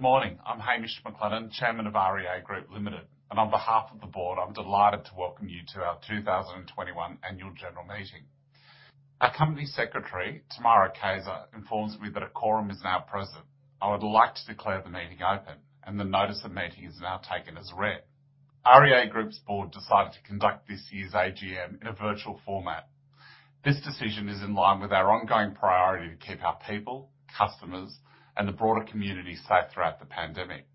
Good morning. I'm Hamish McLennan, Chairman of REA Group Limited and on behalf of the Board, I'm delighted to welcome you to our 2021 Annual General Meeting. Our Company Secretary, Tamara Kayser, informs me that a quorum is now present. I would like to declare the meeting open, and the notice of meeting is now taken as read. REA Group's Board decided to conduct this year's AGM in a virtual format. This decision is in line with our ongoing priority to keep our people, customers, and the broader community safe throughout the pandemic.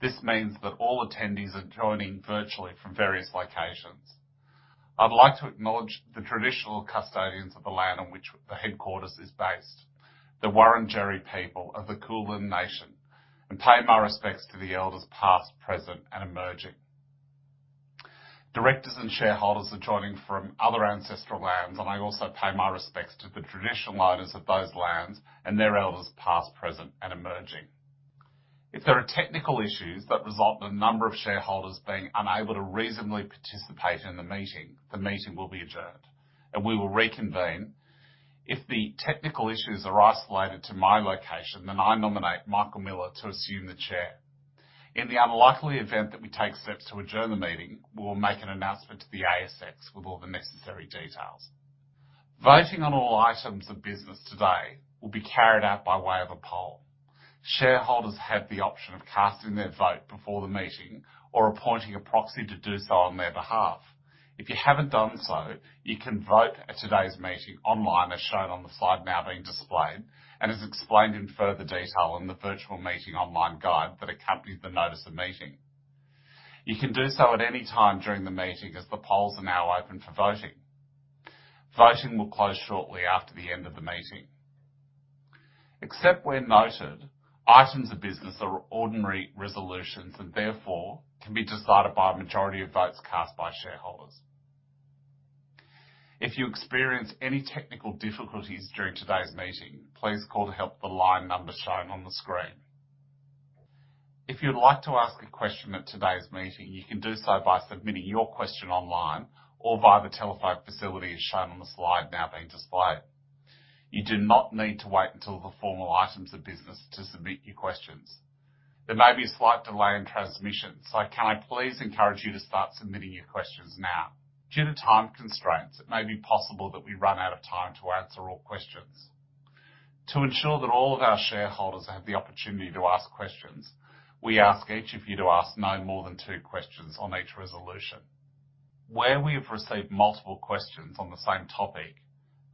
This means that all attendees are joining virtually from various locations. I'd like to acknowledge the traditional custodians of the land on which the headquarters is based, the Wurundjeri people of the Kulin Nation, and pay my respects to the elders past, present, and emerging. Directors and shareholders are joining from other ancestral lands, and I also pay my respects to the traditional owners of those lands and their elders past, present, and emerging. If there are technical issues that result in a number of shareholders being unable to reasonably participate in the meeting, the meeting will be adjourned, and we will reconvene. If the technical issues are isolated to my location, then I nominate Michael Miller to assume the chair. In the unlikely event that we take steps to adjourn the meeting, we will make an announcement to the ASX with all the necessary details. Voting on all items of business today will be carried out by way of a poll. Shareholders have the option of casting their vote before the meeting or appointing a proxy to do so on their behalf. If you haven't done so, you can vote at today's meeting online, as shown on the slide now being displayed and as explained in further detail in the virtual meeting online guide that accompanies the notice of meeting. You can do so at any time during the meeting, as the polls are now open for voting. Voting will close shortly after the end of the meeting. Except where noted, items of business are ordinary resolutions and therefore can be decided by a majority of votes cast by shareholders. If you experience any technical difficulties during today's meeting, please call the help line number shown on the screen. If you'd like to ask a question at today's meeting, you can do so by submitting your question online or via the telephone facility as shown on the slide now being displayed. You do not need to wait until the formal items of business to submit your questions. There may be a slight delay in transmission, so can I please encourage you to start submitting your questions now? Due to time constraints, it may be possible that we run out of time to answer all questions. To ensure that all of our shareholders have the opportunity to ask questions, we ask each of you to ask no more than two questions on each resolution. Where we have received multiple questions on the same topic,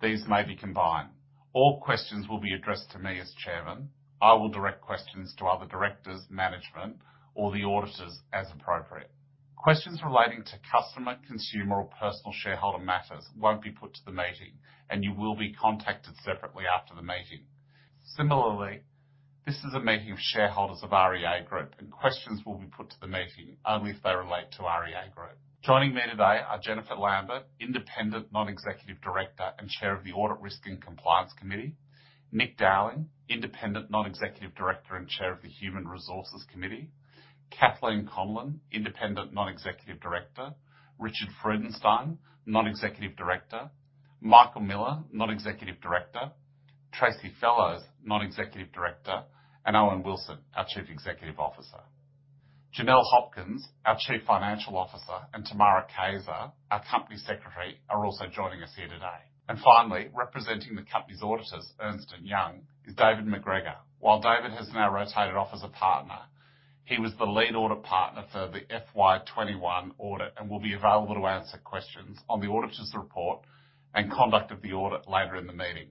these may be combined. All questions will be addressed to me as Chairman. I will direct questions to other directors, management, or the auditors as appropriate. Questions relating to customer, consumer, or personal shareholder matters will not be put to the meeting, and you will be contacted separately after the meeting. Similarly, this is a meeting of shareholders of REA Group, and questions will be put to the meeting only if they relate to REA Group. Joining me today are Jennifer Lambert, Independent Non-Executive Director and Chair of the Audit Risk and Compliance Committee, Nick Dowling, Independent Non-Executive Director and Chair of the Human Resources Committee, Kathleen Conlon, Independent Non-Executive Director, Richard Freudenstein, Non-Executive Director, Michael Miller, Non-Executive Director, Tracey Fellows, Non-Executive Director, and Owen Wilson, our Chief Executive Officer. Janelle Hopkins, our Chief Financial Officer, and Tamara Kayser, our Company Secretary, are also joining us here today. Finally, representing the company's auditors, Ernst & Young, is David McGregor. While David has now rotated off as a partner, he was the lead audit partner for the FY 2021 audit and will be available to answer questions on the auditor's report and conduct of the audit later in the meeting.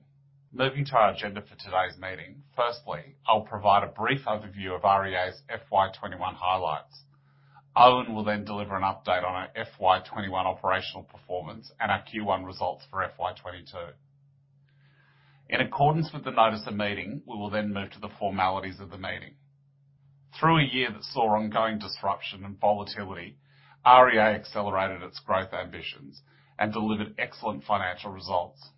Moving to our agenda for today's meeting, firstly, I'll provide a brief overview of REA's FY 2021 highlights. Owen will then deliver an update on our FY 2021 operational performance and our Q1 results for FY 2022. In accordance with the notice of meeting, we will then move to the formalities of the meeting. Through a year that saw ongoing disruption and volatility, REA accelerated its growth ambitions and delivered excellent financial results.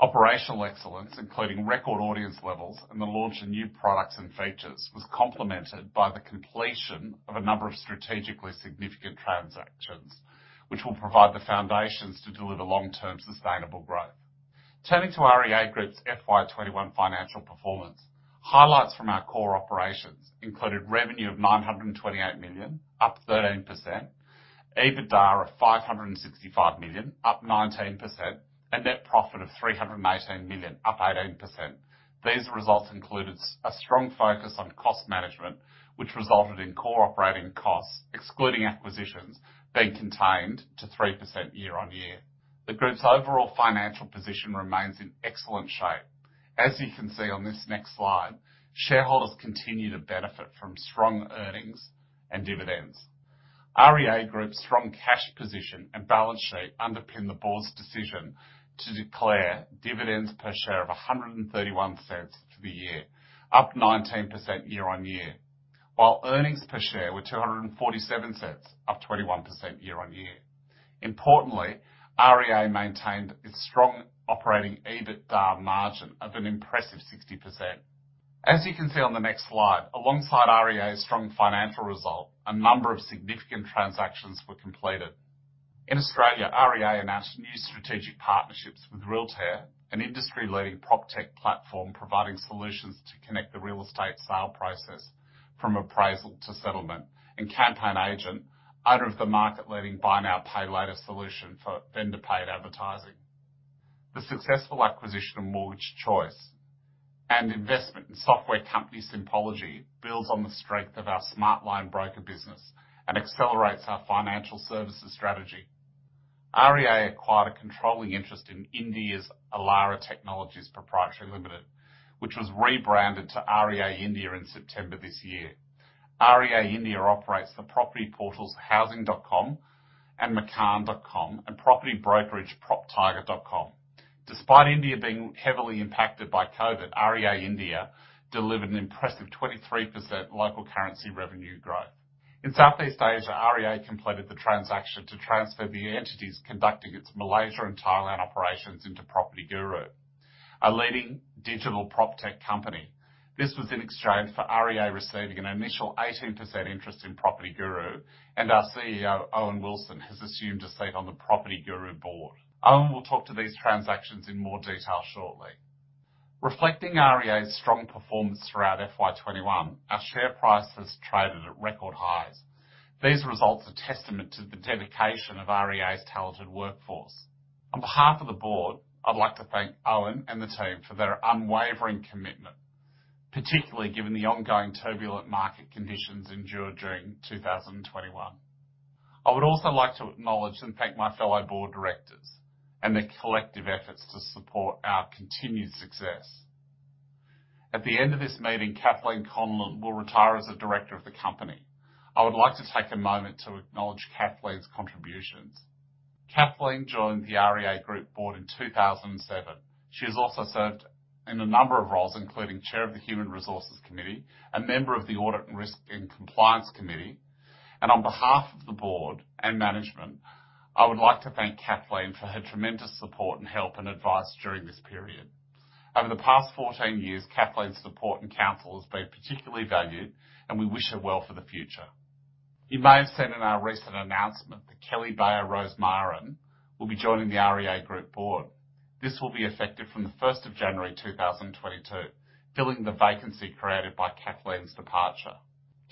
Operational excellence, including record audience levels and the launch of new products and features, was complemented by the completion of a number of strategically significant transactions, which will provide the foundations to deliver long-term sustainable growth. Turning to REA Group's FY 2021 financial performance, highlights from our core operations included revenue of 928 million, up 13%; EBITDA of 565 million, up 19%; and net profit of 318 million, up 18%. These results included a strong focus on cost management, which resulted in core operating costs, excluding acquisitions, being contained to 3% year-on-year. The Group's overall financial position remains in excellent shape. As you can see on this next slide, shareholders continue to benefit from strong earnings and dividends. REA Group's strong cash position and balance sheet underpin the Board's decision to declare dividends per share of 1.31 for the year, up 19% year-on-year, while earnings per share were 2.47, up 21% year-on-year. Importantly, REA maintained its strong operating EBITDA margin of an impressive 60%. As you can see on the next slide, alongside REA's strong financial result, a number of significant transactions were completed. In Australia, REA announced new strategic partnerships with Realtair, an industry-leading proptech platform providing solutions to connect the real estate sale process from appraisal to settlement, and Campaign Agent, owner of the market-leading Buy Now Pay Later solution for vendor-paid advertising. The successful acquisition of Mortgage Choice and investment in software company Simpology builds on the strength of our Smartline broker business and accelerates our financial services strategy. REA acquired a controlling interest in India's Elara Technologies Pte. Ltd, which was rebranded to REA India in September this year. REA India operates the property portals Housing.com and Makaan.com and property brokerage PropTiger.com. Despite India being heavily impacted by COVID, REA India delivered an impressive 23% local currency revenue growth. In Southeast Asia, REA completed the transaction to transfer the entities conducting its Malaysia and Thailand operations into PropertyGuru, a leading digital PropTech company. This was in exchange for REA receiving an initial 18% interest in PropertyGuru, and our CEO, Owen Wilson, has assumed a seat on the PropertyGuru board. Owen will talk to these transactions in more detail shortly. Reflecting REA's strong performance throughout FY 2021, our share price has traded at record highs. These results are testament to the dedication of REA's talented workforce. On behalf of the Board, I'd like to thank Owen and the team for their unwavering commitment, particularly given the ongoing turbulent market conditions endured during 2021. I would also like to acknowledge and thank my fellow Board Directors and their collective efforts to support our continued success. At the end of this meeting, Kathleen Conlon will retire as a Director of the Company. I would like to take a moment to acknowledge Kathleen's contributions. Kathleen joined the REA Group Board in 2007. She has also served in a number of roles, including Chair of the Human Resources Committee, a member of the Audit and Risk and Compliance Committee. On behalf of the Board and management, I would like to thank Kathleen for her tremendous support and help and advice during this period. Over the past 14 years, Kathleen's support and counsel have been particularly valued, and we wish her well for the future. You may have seen in our recent announcement that Kelly Bayer Rosmarin will be joining the REA Group Board. This will be effective from the 1st of January 2022, filling the vacancy created by Kathleen's departure.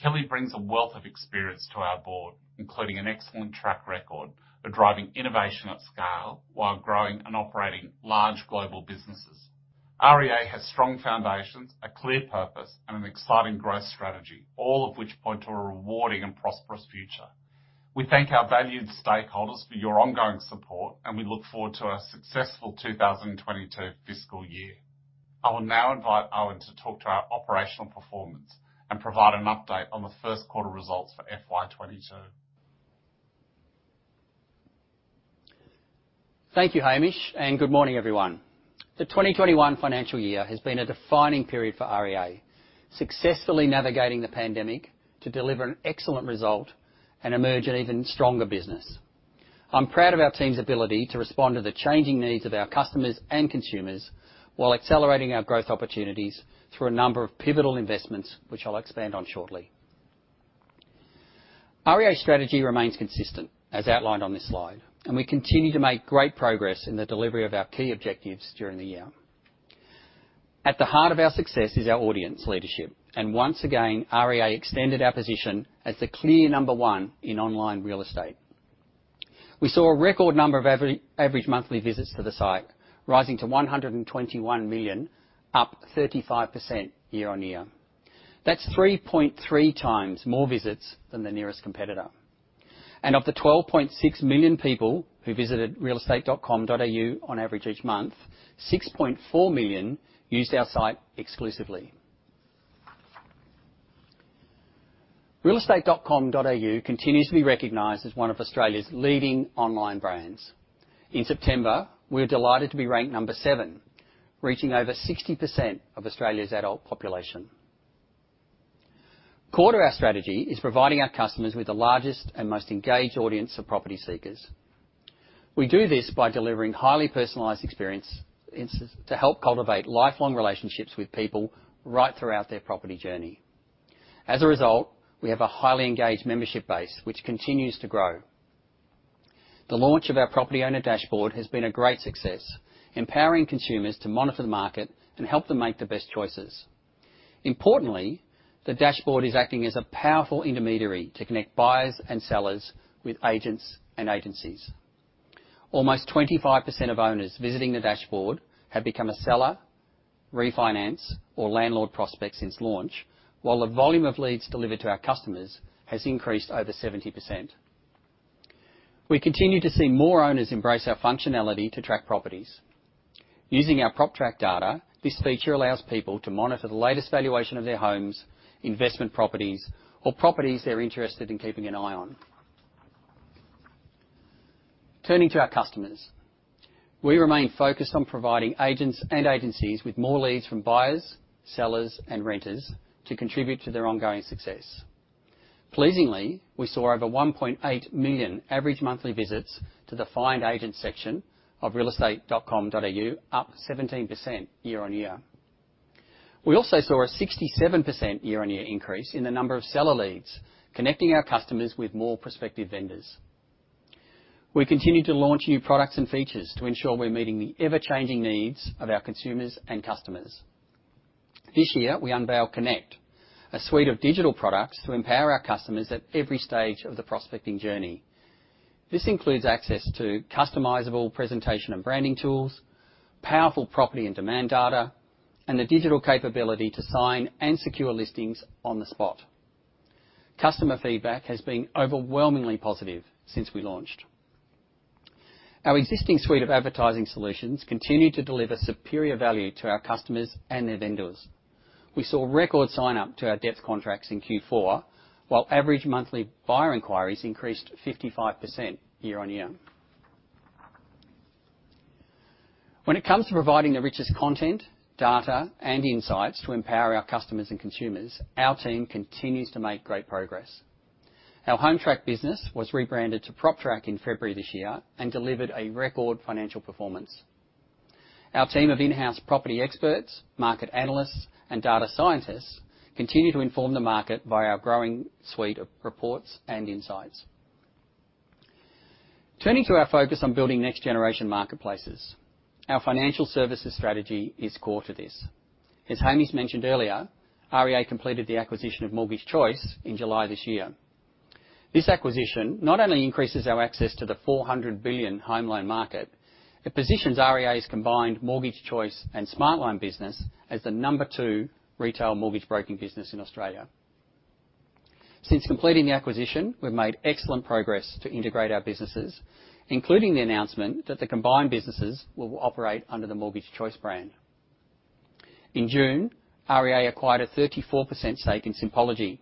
Kelly brings a wealth of experience to our Board, including an excellent track record of driving innovation at scale while growing and operating large global businesses. REA has strong foundations, a clear purpose, and an exciting growth strategy, all of which point to a rewarding and prosperous future. We thank our valued stakeholders for your ongoing support, and we look forward to a successful 2022 fiscal year. I will now invite Owen to talk to our operational performance and provide an update on the first quarter results for FY 2022. Thank you, Hamish, and good morning, everyone. The 2021 financial year has been a defining period for REA, successfully navigating the pandemic to deliver an excellent result and emerge an even stronger business. I'm proud of our team's ability to respond to the changing needs of our customers and consumers while accelerating our growth opportunities through a number of pivotal investments, which I'll expand on shortly. REA's strategy remains consistent, as outlined on this slide, and we continue to make great progress in the delivery of our key objectives during the year. At the heart of our success is our audience leadership, and once again, REA extended our position as the clear number one in online real estate. We saw a record number of average monthly visits to the site, rising to 121 million, up 35% year-on-year. That's 3.3 times more visits than the nearest competitor. Of the 12.6 million people who visited realestate.com.au on average each month, 6.4 million used our site exclusively. realestate.com.au continues to be recognized as one of Australia's leading online brands. In September, we were delighted to be ranked number seven, reaching over 60% of Australia's adult population. Core to our strategy is providing our customers with the largest and most engaged audience of property seekers. We do this by delivering highly personalized experiences to help cultivate lifelong relationships with people right throughout their property journey. As a result, we have a highly engaged membership base, which continues to grow. The launch of our property owner dashboard has been a great success, empowering consumers to monitor the market and help them make the best choices. Importantly, the dashboard is acting as a powerful intermediary to connect buyers and sellers with agents and agencies. Almost 25% of owners visiting the dashboard have become a seller, refinance, or landlord prospect since launch, while the volume of leads delivered to our customers has increased over 70%. We continue to see more owners embrace our functionality to track properties. Using our PropTrack data, this feature allows people to monitor the latest valuation of their homes, investment properties, or properties they're interested in keeping an eye on. Turning to our customers, we remain focused on providing agents and agencies with more leads from buyers, sellers, and renters to contribute to their ongoing success. Pleasingly, we saw over 1.8 million average monthly visits to the find agent section of realestate.com.au, up 17% year-on-year. We also saw a 67% year-on-year increase in the number of seller leads, connecting our customers with more prospective vendors. We continue to launch new products and features to ensure we're meeting the ever-changing needs of our consumers and customers. This year, we unveil Connect, a suite of digital products to empower our customers at every stage of the prospecting journey. This includes access to customizable presentation and branding tools, powerful property and demand data, and the digital capability to sign and secure listings on the spot. Customer feedback has been overwhelmingly positive since we launched. Our existing suite of advertising solutions continued to deliver superior value to our customers and their vendors. We saw record sign-up to our debt contracts in Q4, while average monthly buyer inquiries increased 55% year-on-year. When it comes to providing the richest content, data, and insights to empower our customers and consumers, our team continues to make great progress. Our Hometrack business was rebranded to PropTrack in February this year and delivered a record financial performance. Our team of in-house property experts, market analysts, and data scientists continue to inform the market via our growing suite of reports and insights. Turning to our focus on building next-generation marketplaces, our financial services strategy is core to this. As Hamish mentioned earlier, REA completed the acquisition of Mortgage Choice in July this year. This acquisition not only increases our access to the 400 billion home loan market, it positions REA's combined Mortgage Choice and Smart Loan business as the number two retail mortgage broking business in Australia. Since completing the acquisition, we've made excellent progress to integrate our businesses, including the announcement that the combined businesses will operate under the Mortgage Choice brand. In June, REA acquired a 34% stake in Simpology,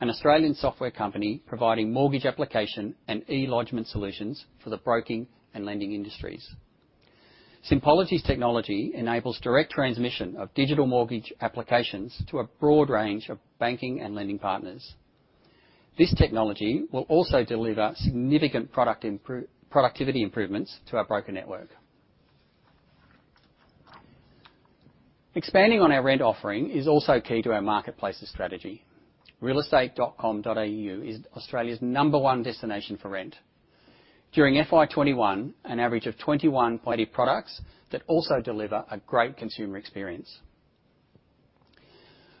an Australian software company providing mortgage application and e-lodgement solutions for the broking and lending industries. Simpology's technology enables direct transmission of digital mortgage applications to a broad range of banking and lending partners. This technology will also deliver significant productivity improvements to our broker network. Expanding on our rent offering is also key to our marketplace strategy. realestate.com.au is Australia's number one destination for rent. During FY 2021, an average of 21. Products that also deliver a great consumer experience.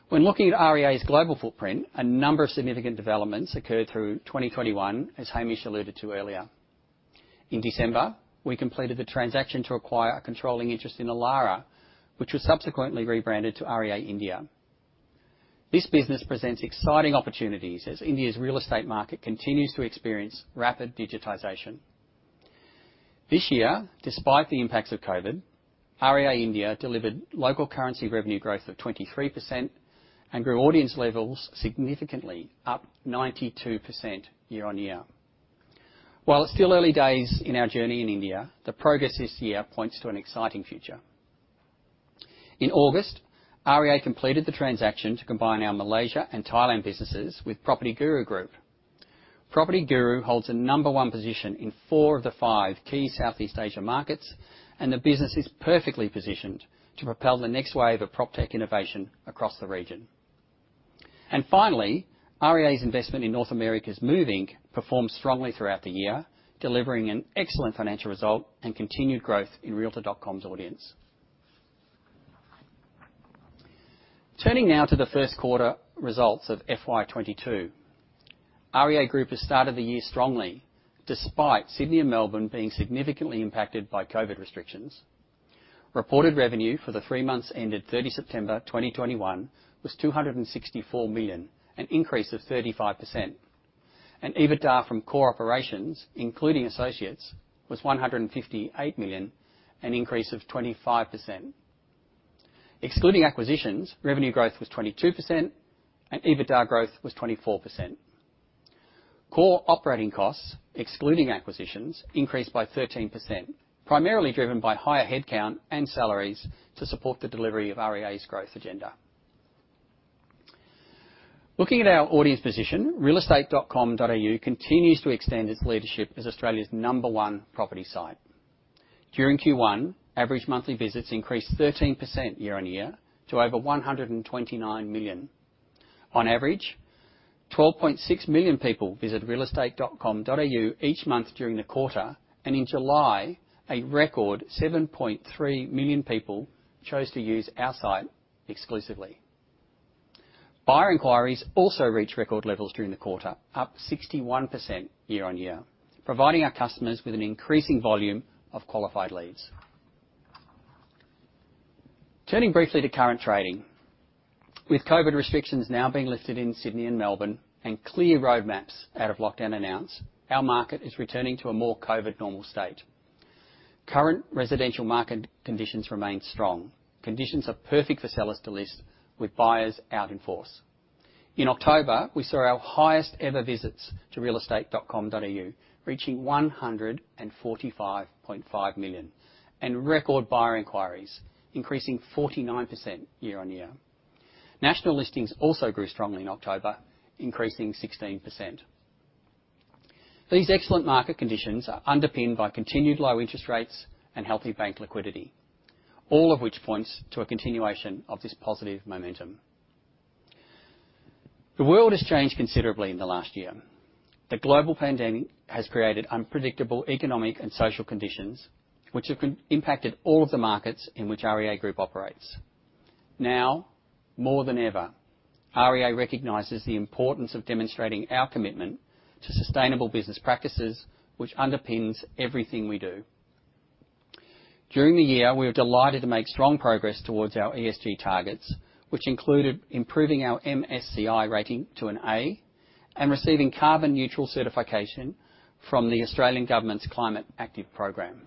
When looking at REA's global footprint, a number of significant developments occurred through 2021, as Hamish alluded to earlier. In December, we completed the transaction to acquire a controlling interest in Elara, which was subsequently rebranded to REA India. This business presents exciting opportunities as India's real estate market continues to experience rapid digitization. This year, despite the impacts of COVID, REA India delivered local currency revenue growth of 23% and grew audience levels significantly, up 92% year-on-year. While it's still early days in our journey in India, the progress this year points to an exciting future. In August, REA completed the transaction to combine our Malaysia and Thailand businesses with PropertyGuru Group. PropertyGuru holds a number one position in four of the five key Southeast Asia markets, and the business is perfectly positioned to propel the next wave of prop tech innovation across the region. Finally, REA's investment in North America's Move Inc performed strongly throughout the year, delivering an excellent financial result and continued growth in Realtor.com's audience. Turning now to the first quarter results of FY 2022, REA Group has started the year strongly, despite Sydney and Melbourne being significantly impacted by COVID restrictions. Reported revenue for the three months ended 30 September 2021 was 264 million, an increase of 35%. EBITDA from core operations, including associates, was 158 million, an increase of 25%. Excluding acquisitions, revenue growth was 22%, and EBITDA growth was 24%. Core operating costs, excluding acquisitions, increased by 13%, primarily driven by higher headcount and salaries to support the delivery of REA's growth agenda. Looking at our audience position, realestate.com.au continues to extend its leadership as Australia's number one property site. During Q1, average monthly visits increased 13% year-on-year to over 129 million. On average, 12.6 million people visited realestate.com.au each month during the quarter, and in July, a record 7.3 million people chose to use our site exclusively. Buyer inquiries also reached record levels during the quarter, up 61% year-on-year, providing our customers with an increasing volume of qualified leads. Turning briefly to current trading. With COVID restrictions now being lifted in Sydney and Melbourne and clear roadmaps out of lockdown announced, our market is returning to a more COVID-normal state. Current residential market conditions remain strong. Conditions are perfect for sellers to list, with buyers out in force. In October, we saw our highest ever visits to realestate.com.au, reaching 145.5 million, and record buyer inquiries, increasing 49% year-on-year. National listings also grew strongly in October, increasing 16%. These excellent market conditions are underpinned by continued low interest rates and healthy bank liquidity, all of which points to a continuation of this positive momentum. The world has changed considerably in the last year. The global pandemic has created unpredictable economic and social conditions, which have impacted all of the markets in which REA Group operates. Now, more than ever, REA recognizes the importance of demonstrating our commitment to sustainable business practices, which underpins everything we do. During the year, we were delighted to make strong progress towards our ESG targets, which included improving our MSCI rating to an A and receiving carbon-neutral certification from the Australian government's Climate Active Program.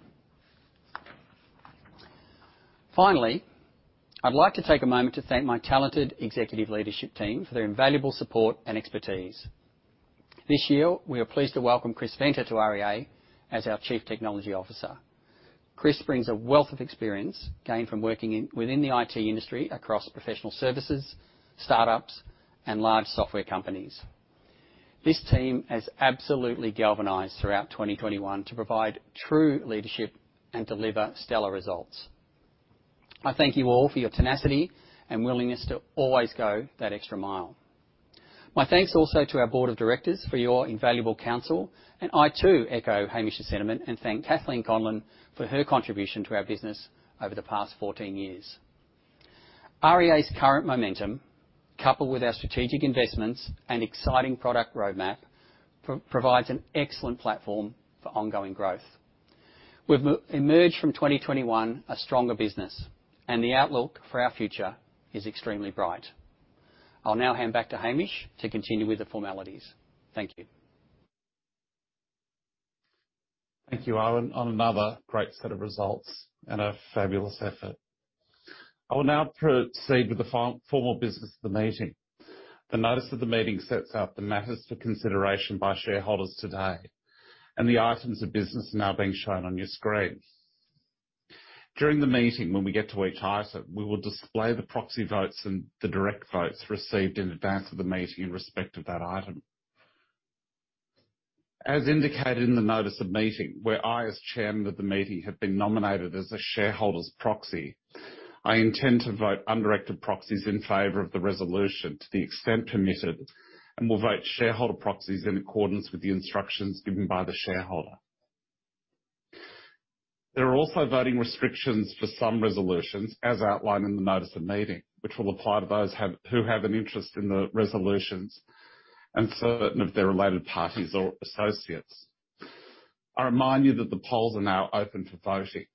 Finally, I'd like to take a moment to thank my talented executive leadership team for their invaluable support and expertise. This year, we are pleased to welcome Chris Venter to REA as our Chief Technology Officer. Chris brings a wealth of experience gained from working within the IT industry across professional services, startups, and large software companies. This team has absolutely galvanized throughout 2021 to provide true leadership and deliver stellar results. I thank you all for your tenacity and willingness to always go that extra mile. My thanks also to our Board of Directors for your invaluable counsel, and I too echo Hamish's sentiment and thank Kathleen Conlon for her contribution to our business over the past 14 years. REA's current momentum, coupled with our strategic investments and exciting product roadmap, provides an excellent platform for ongoing growth. We've emerged from 2021 a stronger business, and the outlook for our future is extremely bright. I'll now hand back to Hamish to continue with the formalities. Thank you. Thank you, Owen, on another great set of results and a fabulous effort. I will now proceed with the formal business of the meeting. The notice of the meeting sets out the matters for consideration by shareholders today, and the items of business are now being shown on your screen. During the meeting, when we get to each item, we will display the proxy votes and the direct votes received in advance of the meeting in respect of that item. As indicated in the notice of meeting, where I as Chairman of the meeting have been nominated as a shareholder's proxy, I intend to vote undirected proxies in favor of the resolution to the extent permitted and will vote shareholder proxies in accordance with the instructions given by the shareholder. There are also voting restrictions for some resolutions, as outlined in the notice of meeting, which will apply to those who have an interest in the resolutions and certain of their related parties or associates. I remind you that the polls are now open for voting.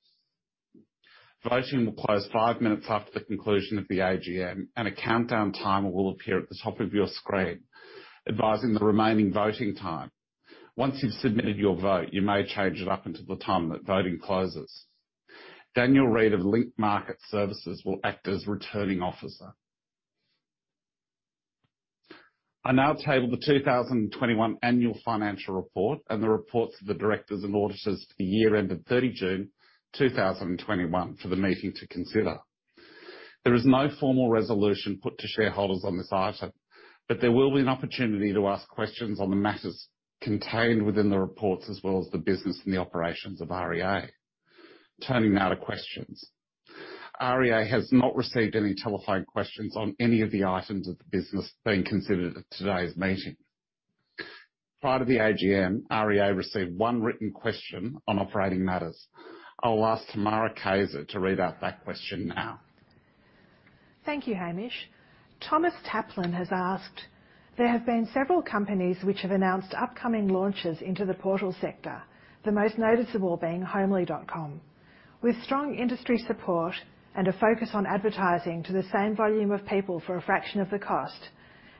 Voting will close five minutes after the conclusion of the AGM, and a countdown timer will appear at the top of your screen advising the remaining voting time. Once you've submitted your vote, you may change it up until the time that voting closes. Daniel Reed of Link Market Services will act as returning officer. I now table the 2021 annual financial report and the reports of the directors and auditors for the year ended 30 June 2021 for the meeting to consider. There is no formal resolution put to shareholders on this item, but there will be an opportunity to ask questions on the matters contained within the reports as well as the business and the operations of REA. Turning now to questions. REA has not received any telephone questions on any of the items of the business being considered at today's meeting. Prior to the AGM, REA received one written question on operating matters. I'll ask Tamara Kayser to read out that question now. Thank you, Hamish. Thomas Taplin has asked, there have been several companies which have announced upcoming launches into the portal sector, the most noticeable being homely.com. With strong industry support and a focus on advertising to the same volume of people for a fraction of the cost,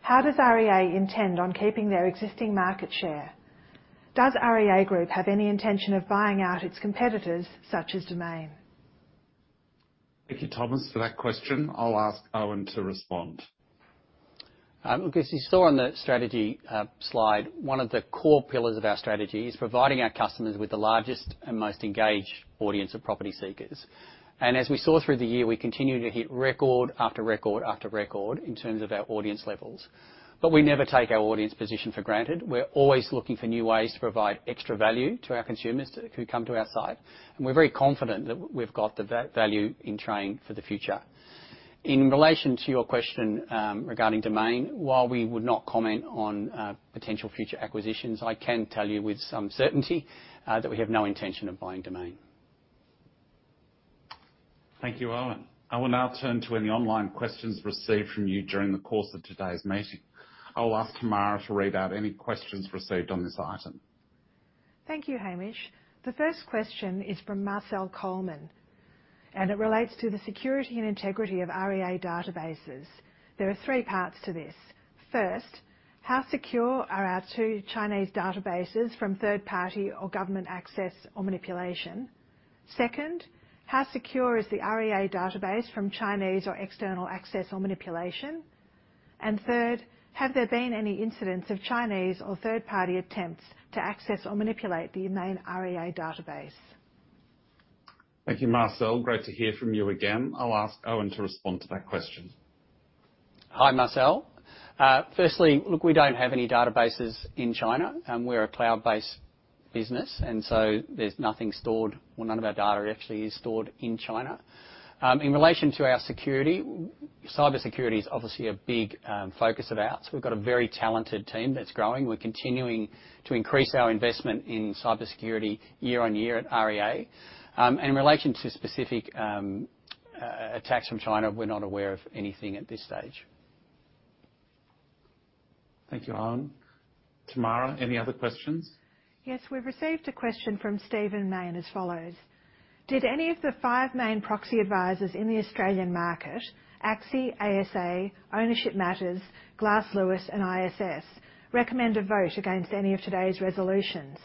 how does REA intend on keeping their existing market share? Does REA Group have any intention of buying out its competitors such as Domain? Thank you, Thomas, for that question. I'll ask Owen to respond. As you saw on the strategy slide, one of the core pillars of our strategy is providing our customers with the largest and most engaged audience of property seekers. As we saw through the year, we continue to hit record after record after record in terms of our audience levels. We never take our audience position for granted. We are always looking for new ways to provide extra value to our consumers who come to our site, and we are very confident that we have got the value in train for the future. In relation to your question regarding Domain, while we would not comment on potential future acquisitions, I can tell you with some certainty that we have no intention of buying Domain. Thank you, Owen. I will now turn to any online questions received from you during the course of today's meeting. I will ask Tamara to read out any questions received on this item. Thank you, Hamish. The first question is from Marcel Coleman, and it relates to the security and integrity of REA databases. There are three parts to this. First, how secure are our two Chinese databases from third-party or government access or manipulation? Second, how secure is the REA database from Chinese or external access or manipulation? Third, have there been any incidents of Chinese or third-party attempts to access or manipulate the main REA database? Thank you, Marcel. Great to hear from you again. I'll ask Owen to respond to that question. Hi, Marcel. Firstly, look, we don't have any databases in China, and we're a cloud-based business, and so there's nothing stored or none of our data actually is stored in China. In relation to our security, cybersecurity is obviously a big focus of ours. We've got a very talented team that's growing. We're continuing to increase our investment in cybersecurity year-on-year at REA. In relation to specific attacks from China, we're not aware of anything at this stage. Thank you, Owen. Tamara, any other questions? Yes, we've received a question from Stephen Mayne as follows. Did any of the five main proxy advisors in the Australian market, ACSI, ASA, Ownership Matters, Glass Lewis, and ISS, recommend a vote against any of today's resolutions?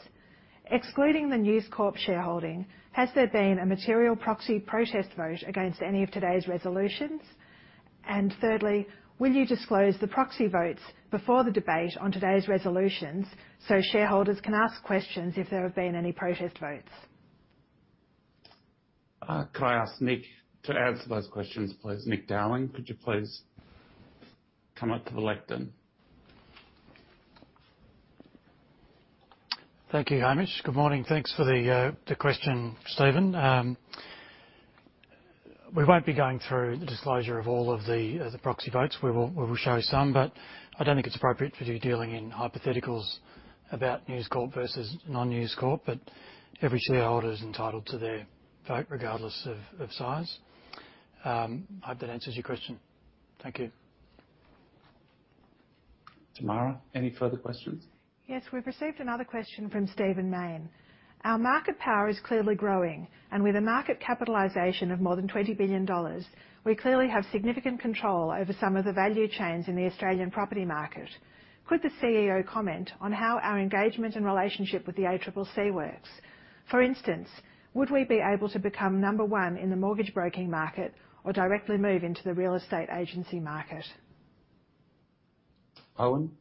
Excluding the News Corp shareholding, has there been a material proxy protest vote against any of today's resolutions? Thirdly, will you disclose the proxy votes before the debate on today's resolutions so shareholders can ask questions if there have been any protest votes? Can I ask Nick to answer those questions, please? Nick Dowling, could you please come up to the lectern? Thank you, Hamish. Good morning. Thanks for the question, Stephen. We won't be going through the disclosure of all of the proxy votes. We will show some, but I don't think it's appropriate for you dealing in hypotheticals about News Corp versus non-News Corp, but every shareholder is entitled to their vote regardless of size. I hope that answers your question. Thank you. Tamara, any further questions? Yes, we've received another question from Stephen Mayne. Our market power is clearly growing, and with a market capitalization of more than 20 billion dollars, we clearly have significant control over some of the value chains in the Australian property market. Could the CEO comment on how our engagement and relationship with the ACCC works? For instance, would we be able to become number one in the mortgage-broking market or directly move into the real estate agency market? Owen. Thanks,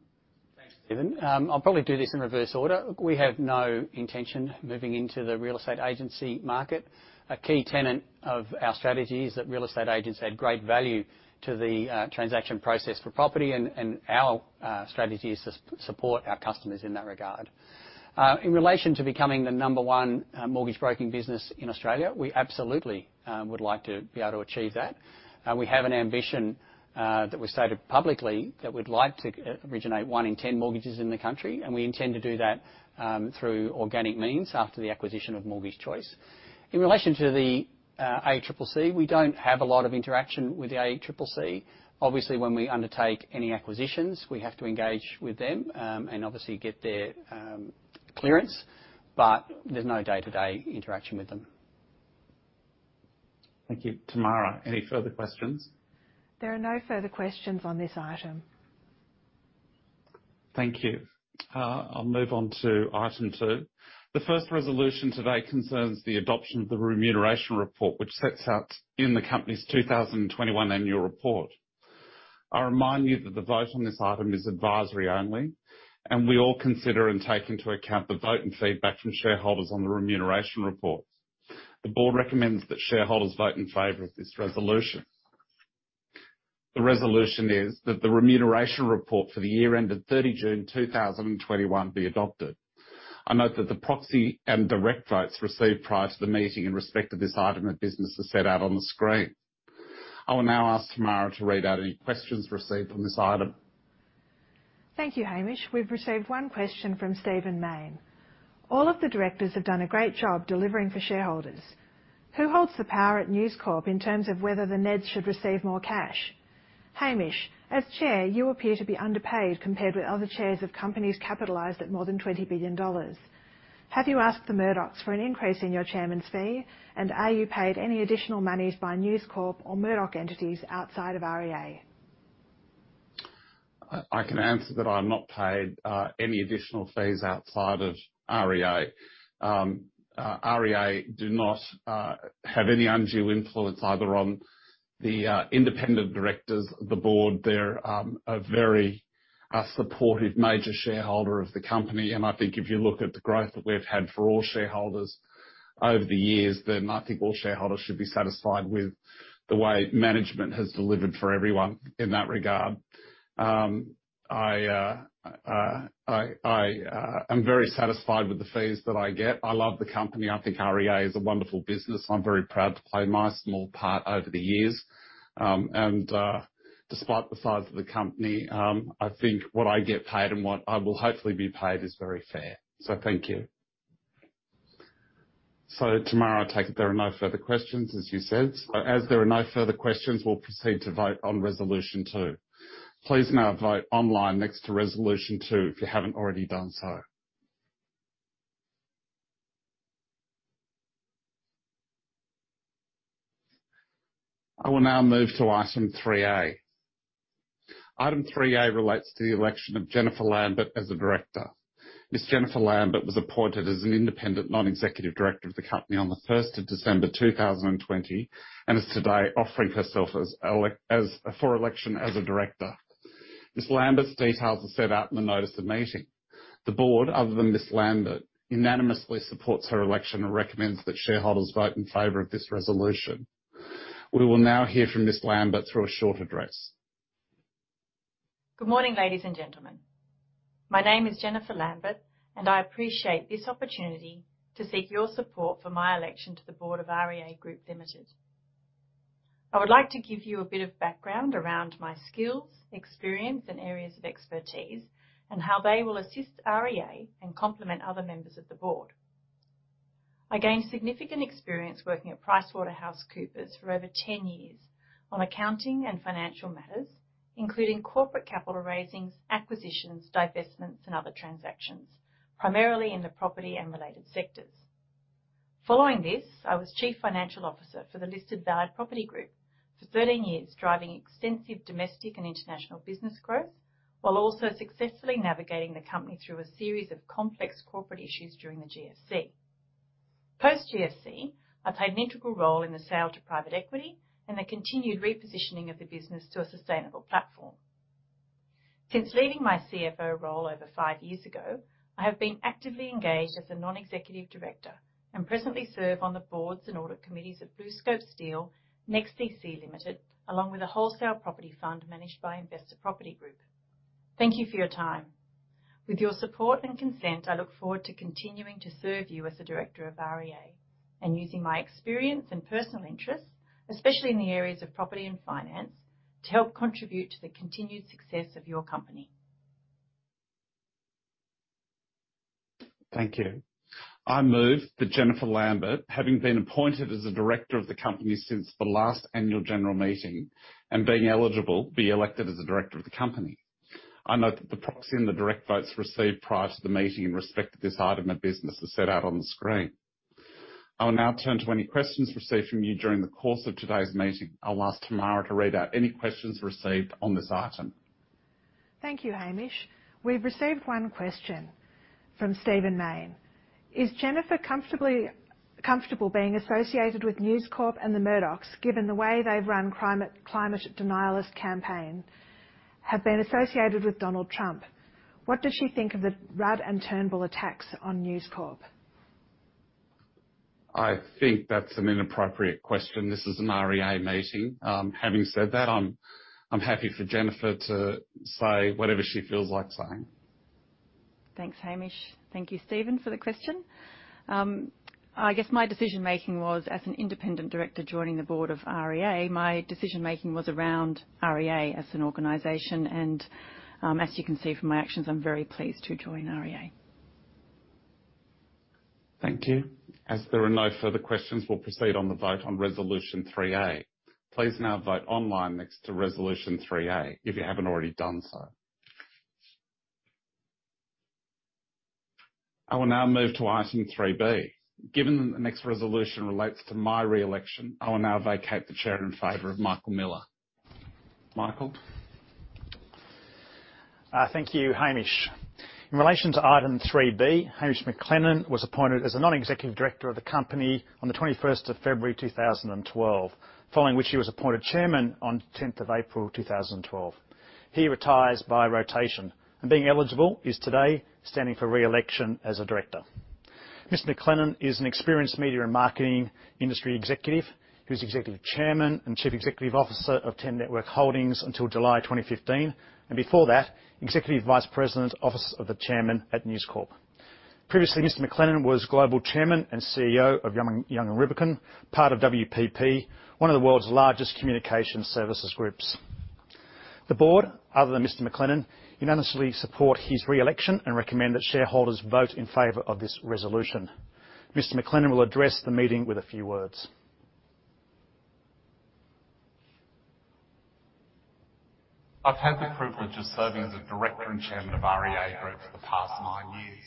Stephen. I'll probably do this in reverse order. We have no intention of moving into the real estate agency market. A key tenet of our strategy is that real estate agents add great value to the transaction process for property, and our strategy is to support our customers in that regard. In relation to becoming the number one mortgage-broking business in Australia, we absolutely would like to be able to achieve that. We have an ambition that we've stated publicly that we'd like to originate one in ten mortgages in the country, and we intend to do that through organic means after the acquisition of Mortgage Choice. In relation to the ACCC, we do not have a lot of interaction with the ACCC. Obviously, when we undertake any acquisitions, we have to engage with them and obviously get their clearance, but there is no day-to-day interaction with them. Thank you. Tamara, any further questions? There are no further questions on this item. Thank you. I'll move on to item two. The first resolution today concerns the adoption of the remuneration report, which sets out in the company's 2021 annual report. I remind you that the vote on this item is advisory only, and we all consider and take into account the vote and feedback from shareholders on the remuneration report. The board recommends that shareholders vote in favor of this resolution. The resolution is that the remuneration report for the year ended 30 June 2021 be adopted. I note that the proxy and direct votes received prior to the meeting in respect of this item of business are set out on the screen. I will now ask Tamara to read out any questions received on this item. Thank you, Hamish. We've received one question from Stephen Mayne. All of the directors have done a great job delivering for shareholders. Who holds the power at News Corp in terms of whether the NEDs should receive more cash? Hamish, as Chair, you appear to be underpaid compared with other chairs of companies capitalized at more than 20 billion dollars. Have you asked the Murdochs for an increase in your Chairman's fee, and are you paid any additional monies by News Corp or Murdoch entities outside of REA? I can answer that I'm not paid any additional fees outside of REA. REA do not have any undue influence either on the independent directors of the board. They're a very supportive major shareholder of the company, and I think if you look at the growth that we've had for all shareholders over the years, then I think all shareholders should be satisfied with the way management has delivered for everyone in that regard. I am very satisfied with the fees that I get. I love the company. I think REA is a wonderful business. I'm very proud to play my small part over the years. Despite the size of the company, I think what I get paid and what I will hopefully be paid is very fair. Thank you. Tamara, I take it there are no further questions, as you said. As there are no further questions, we'll proceed to vote on resolution two. Please now vote online next to resolution two if you haven't already done so. I will now move to item 3A. Item 3A relates to the election of Jennifer Lambert as a director. Miss Jennifer Lambert was appointed as an independent non-executive director of the company on the 1st of December 2020 and is today offering herself for election as a director. Miss Lambert's details are set out in the notice of meeting. The board, other than Miss Lambert, unanimously supports her election and recommends that shareholders vote in favor of this resolution. We will now hear from Miss Lambert through a short address. Good morning, ladies and gentlemen. My name is Jennifer Lambert, and I appreciate this opportunity to seek your support for my election to the board of REA Group Ltd. I would like to give you a bit of background around my skills, experience, and areas of expertise, and how they will assist REA and complement other members of the board. I gained significant experience working at PricewaterhouseCoopers for over 10 years on accounting and financial matters, including corporate capital raisings, acquisitions, divestments, and other transactions, primarily in the property and related sectors. Following this, I was Chief Financial Officer for the listed Valad Property Group for 13 years, driving extensive domestic and international business growth, while also successfully navigating the company through a series of complex corporate issues during the GFC. Post-GFC, I played an integral role in the sale to private equity and the continued repositioning of the business to a sustainable platform. Since leaving my CFO role over five years ago, I have been actively engaged as a non-executive director and presently serve on the boards and audit committees of BlueScope Steel, NEXTDC Limited, along with a wholesale property fund managed by Investor Property Group. Thank you for your time. With your support and consent, I look forward to continuing to serve you as a director of REA and using my experience and personal interests, especially in the areas of property and finance, to help contribute to the continued success of your company. Thank you. I move that Jennifer Lambert, having been appointed as a director of the company since the last annual general meeting and being eligible to be elected as a director of the company, I note that the proxy and the direct votes received prior to the meeting in respect of this item of business are set out on the screen. I will now turn to any questions received from you during the course of today's meeting. I'll ask Tamara to read out any questions received on this item. Thank you, Hamish. We've received one question from Stephen Mayne. Is Jennifer comfortable being associated with News Corp and the Murdochs, given the way they've run climate denialist campaign, have been associated with Donald Trump? What does she think of the Rudd and Turnbull attacks on News Corp? I think that's an inappropriate question. This is an REA meeting. Having said that, I'm happy for Jennifer to say whatever she feels like saying. Thanks, Hamish. Thank you, Stephen, for the question. I guess my decision-making was, as an independent director joining the board of REA, my decision-making was around REA as an organization, and as you can see from my actions, I'm very pleased to join REA. Thank you. As there are no further questions, we'll proceed on the vote on resolution 3A. Please now vote online next to resolution 3A if you haven't already done so. I will now move to item 3B. Given that the next resolution relates to my re-election, I will now vacate the chair in favor of Michael Miller. Michael. Thank you, Hamish. In relation to item 3B, Hamish McLennan was appointed as a Non-Executive Director of the company on the 21st of February 2012, following which he was appointed Chairman on the 10th of April 2012. He retires by rotation, and being eligible is today standing for re-election as a Director. Mr. McLennan is an experienced media and marketing industry executive. He was Executive Chairman and Chief Executive Officer of Ten Network Holdings until July 2015, and before that, Executive Vice President, Officer of the Chairman at News Corp. Previously, Mr. McLennan was global Chairman and CEO of Young & Rubicam, part of WPP, one of the world's largest communication services groups. The board, other than Mr. McLennan unanimously supports his re-election and recommends that shareholders vote in favor of this resolution. Mr. McLennan will address the meeting with a few words. I've had the privilege of serving as a director and Chairman of REA Group for the past nine years.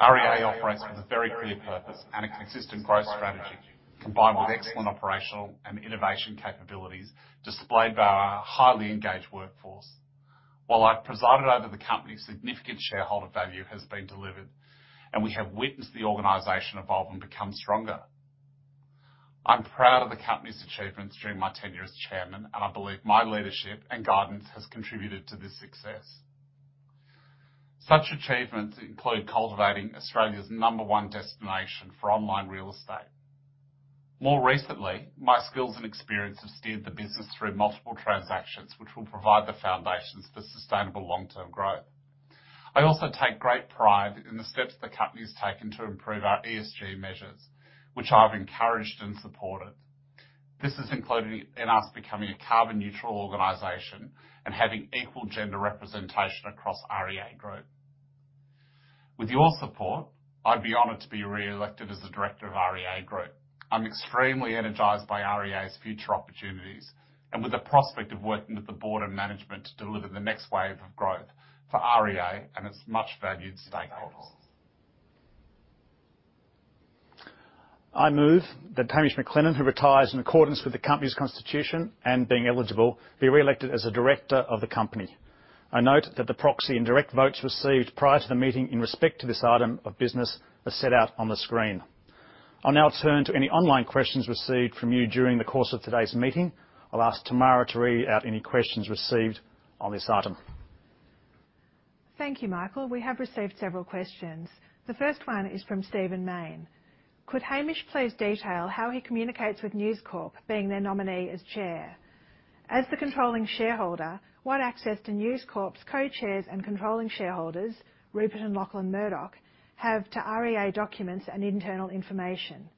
REA operates with a very clear purpose and a consistent growth strategy, combined with excellent operational and innovation capabilities displayed by our highly engaged workforce. While I've presided over the company, significant shareholder value has been delivered, and we have witnessed the organization evolve and become stronger. I'm proud of the company's achievements during my tenure as Chairman, and I believe my leadership and guidance have contributed to this success. Such achievements include cultivating Australia's number one destination for online real estate. More recently, my skills and experience have steered the business through multiple transactions, which will provide the foundations for sustainable long-term growth. I also take great pride in the steps the company has taken to improve our ESG measures, which I've encouraged and supported. This has included in us becoming a carbon-neutral organization and having equal gender representation across REA Group. With your support, I'd be honored to be re-elected as a director of REA Group. I'm extremely energized by REA's future opportunities and with the prospect of working with the board and management to deliver the next wave of growth for REA and its much-valued stakeholders. I move that Hamish McLennan, who retires in accordance with the company's constitution and being eligible, be re-elected as a director of the company. I note that the proxy and direct votes received prior to the meeting in respect to this item of business are set out on the screen. I'll now turn to any online questions received from you during the course of today's meeting. I'll ask Tamara to read out any questions received on this item. Thank you, Michael. We have received several questions. The first one is from Stephen Mayne. Could Hamish please detail how he communicates with News Corp, being their nominee as chair? As the controlling shareholder, what access do News Corp's co-chairs and controlling shareholders, Rupert and Lachlan Murdoch, have to REA documents and internal information?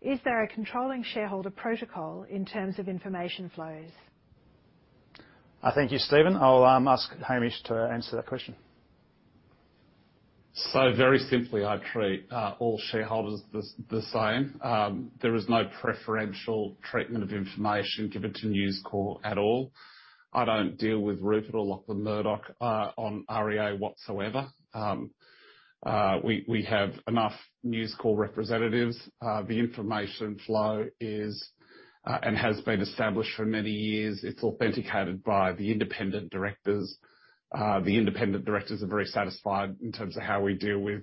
Is there a controlling shareholder protocol in terms of information flows? Thank you, Stephen. I'll ask Hamish to answer that question. So very simply, I treat all shareholders the same. There is no preferential treatment of information given to News Corp at all. I don't deal with Rupert or Lachlan Murdoch on REA whatsoever. We have enough News Corp representatives. The information flow is and has been established for many years. It's authenticated by the independent directors. The independent directors are very satisfied in terms of how we deal with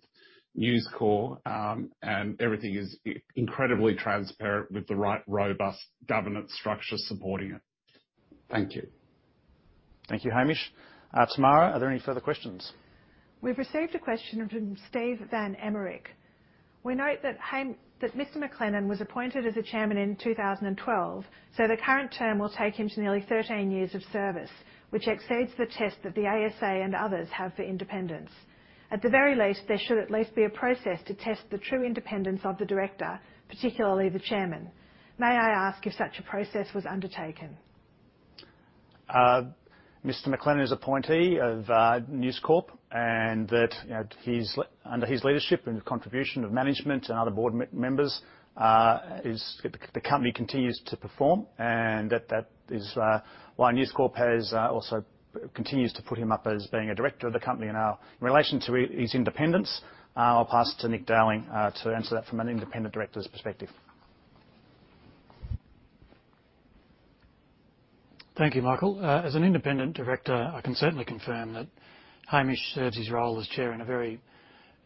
News Corp, and everything is incredibly transparent with the right robust governance structure supporting it. Thank you. Thank you, Hamish. Tamara, are there any further questions? We've received a question from Steve Van Emerick. We note that Mr. McLennan was appointed as a chairman in 2012, so the current term will take him to nearly 13 years of service, which exceeds the test that the ASA and others have for independence. At the very least, there should at least be a process to test the true independence of the director, particularly the chairman. May I ask if such a process was undertaken? Mr. McLennan is appointee of News Corp, and that under his leadership and contribution of management and other board members, the company continues to perform, and that is why News Corp also continues to put him up as being a director of the company. Now, in relation to his independence, I'll pass to Nick Dowling to answer that from an independent director's perspective. Thank you, Michael. As an independent director, I can certainly confirm that Hamish serves his role as chair in a very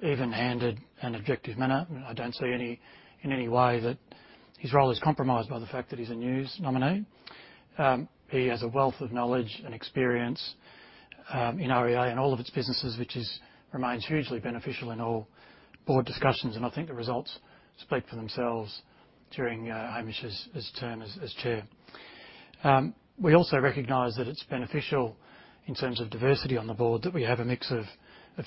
even-handed and objective manner. I don't see in any way that his role is compromised by the fact that he's a News nominee. He has a wealth of knowledge and experience in REA and all of its businesses, which remains hugely beneficial in all board discussions, and I think the results speak for themselves during Hamish's term as chair. We also recognize that it's beneficial in terms of diversity on the board that we have a mix of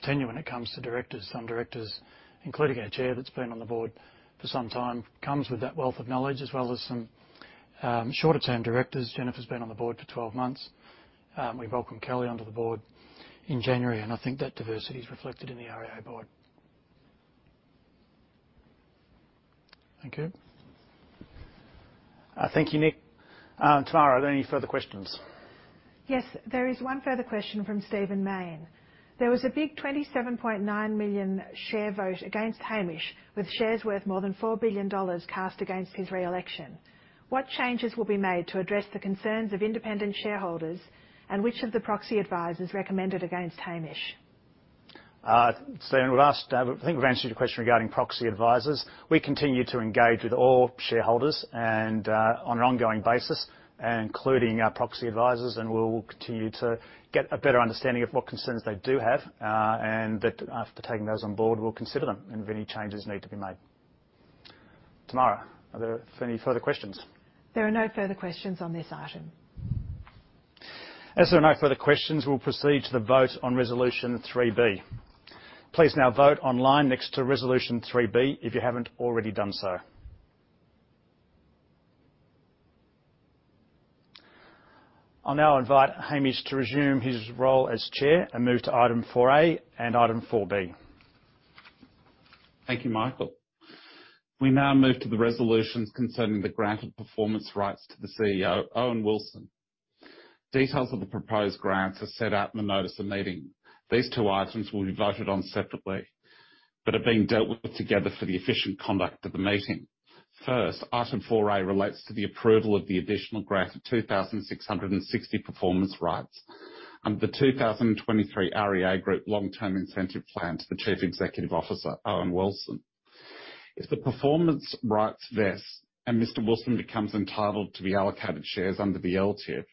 tenure when it comes to directors. Some directors, including our Chair that's been on the board for some time, come with that wealth of knowledge, as well as some shorter-term directors. Jennifer's been on the board for 12 months. We welcomed Kelly onto the board in January, and I think that diversity is reflected in the REA board. Thank you. Thank you, Nick. Tamara, are there any further questions? Yes, there is one further question from Stephen Mayne. There was a big 27.9 million share vote against Hamish, with shares worth more than 4 billion dollars cast against his re-election. What changes will be made to address the concerns of independent shareholders, and which of the proxy advisors recommended against Hamish? Stephen, I think we've answered your question regarding proxy advisors. We continue to engage with all shareholders on an ongoing basis, including proxy advisors, and we'll continue to get a better understanding of what concerns they do have, and that after taking those on board, we'll consider them if any changes need to be made. Tamara, are there any further questions? There are no further questions on this item. As there are no further questions, we'll proceed to the vote on resolution 3B. Please now vote online next to resolution 3B if you haven't already done so. I'll now invite Hamish to resume his role as Chair and move to item 4A and item 4B. Thank you, Michael. We now move to the resolutions concerning the grant of performance rights to the CEO, Owen Wilson. Details of the proposed grants are set out in the notice of meeting. These two items will be voted on separately but are being dealt with together for the efficient conduct of the meeting. First, item 4A relates to the approval of the additional grant of 2,660 performance rights under the 2023 REA Group long-term incentive plan to the Chief Executive Officer, Owen Wilson. If the performance rights vest and Mr. Wilson becomes entitled to be allocated shares under the LTIP,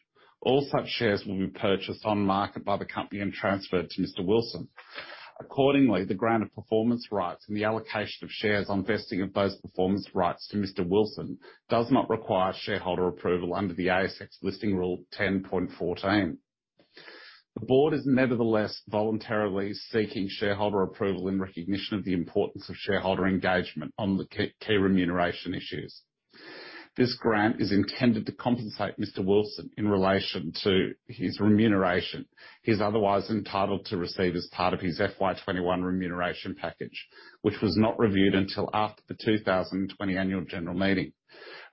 all such shares will be purchased on market by the company and transferred to Mr. Wilson. Accordingly, the grant of performance rights and the allocation of shares on vesting of those performance rights to Mr. Wilson does not require shareholder approval under the ASX Listing Rule 10.14. The board is nevertheless voluntarily seeking shareholder approval in recognition of the importance of shareholder engagement on the key remuneration issues. This grant is intended to compensate Mr. Wilson in relation to his remuneration. He is otherwise entitled to receive as part of his FY 2021 remuneration package, which was not reviewed until after the 2020 annual general meeting.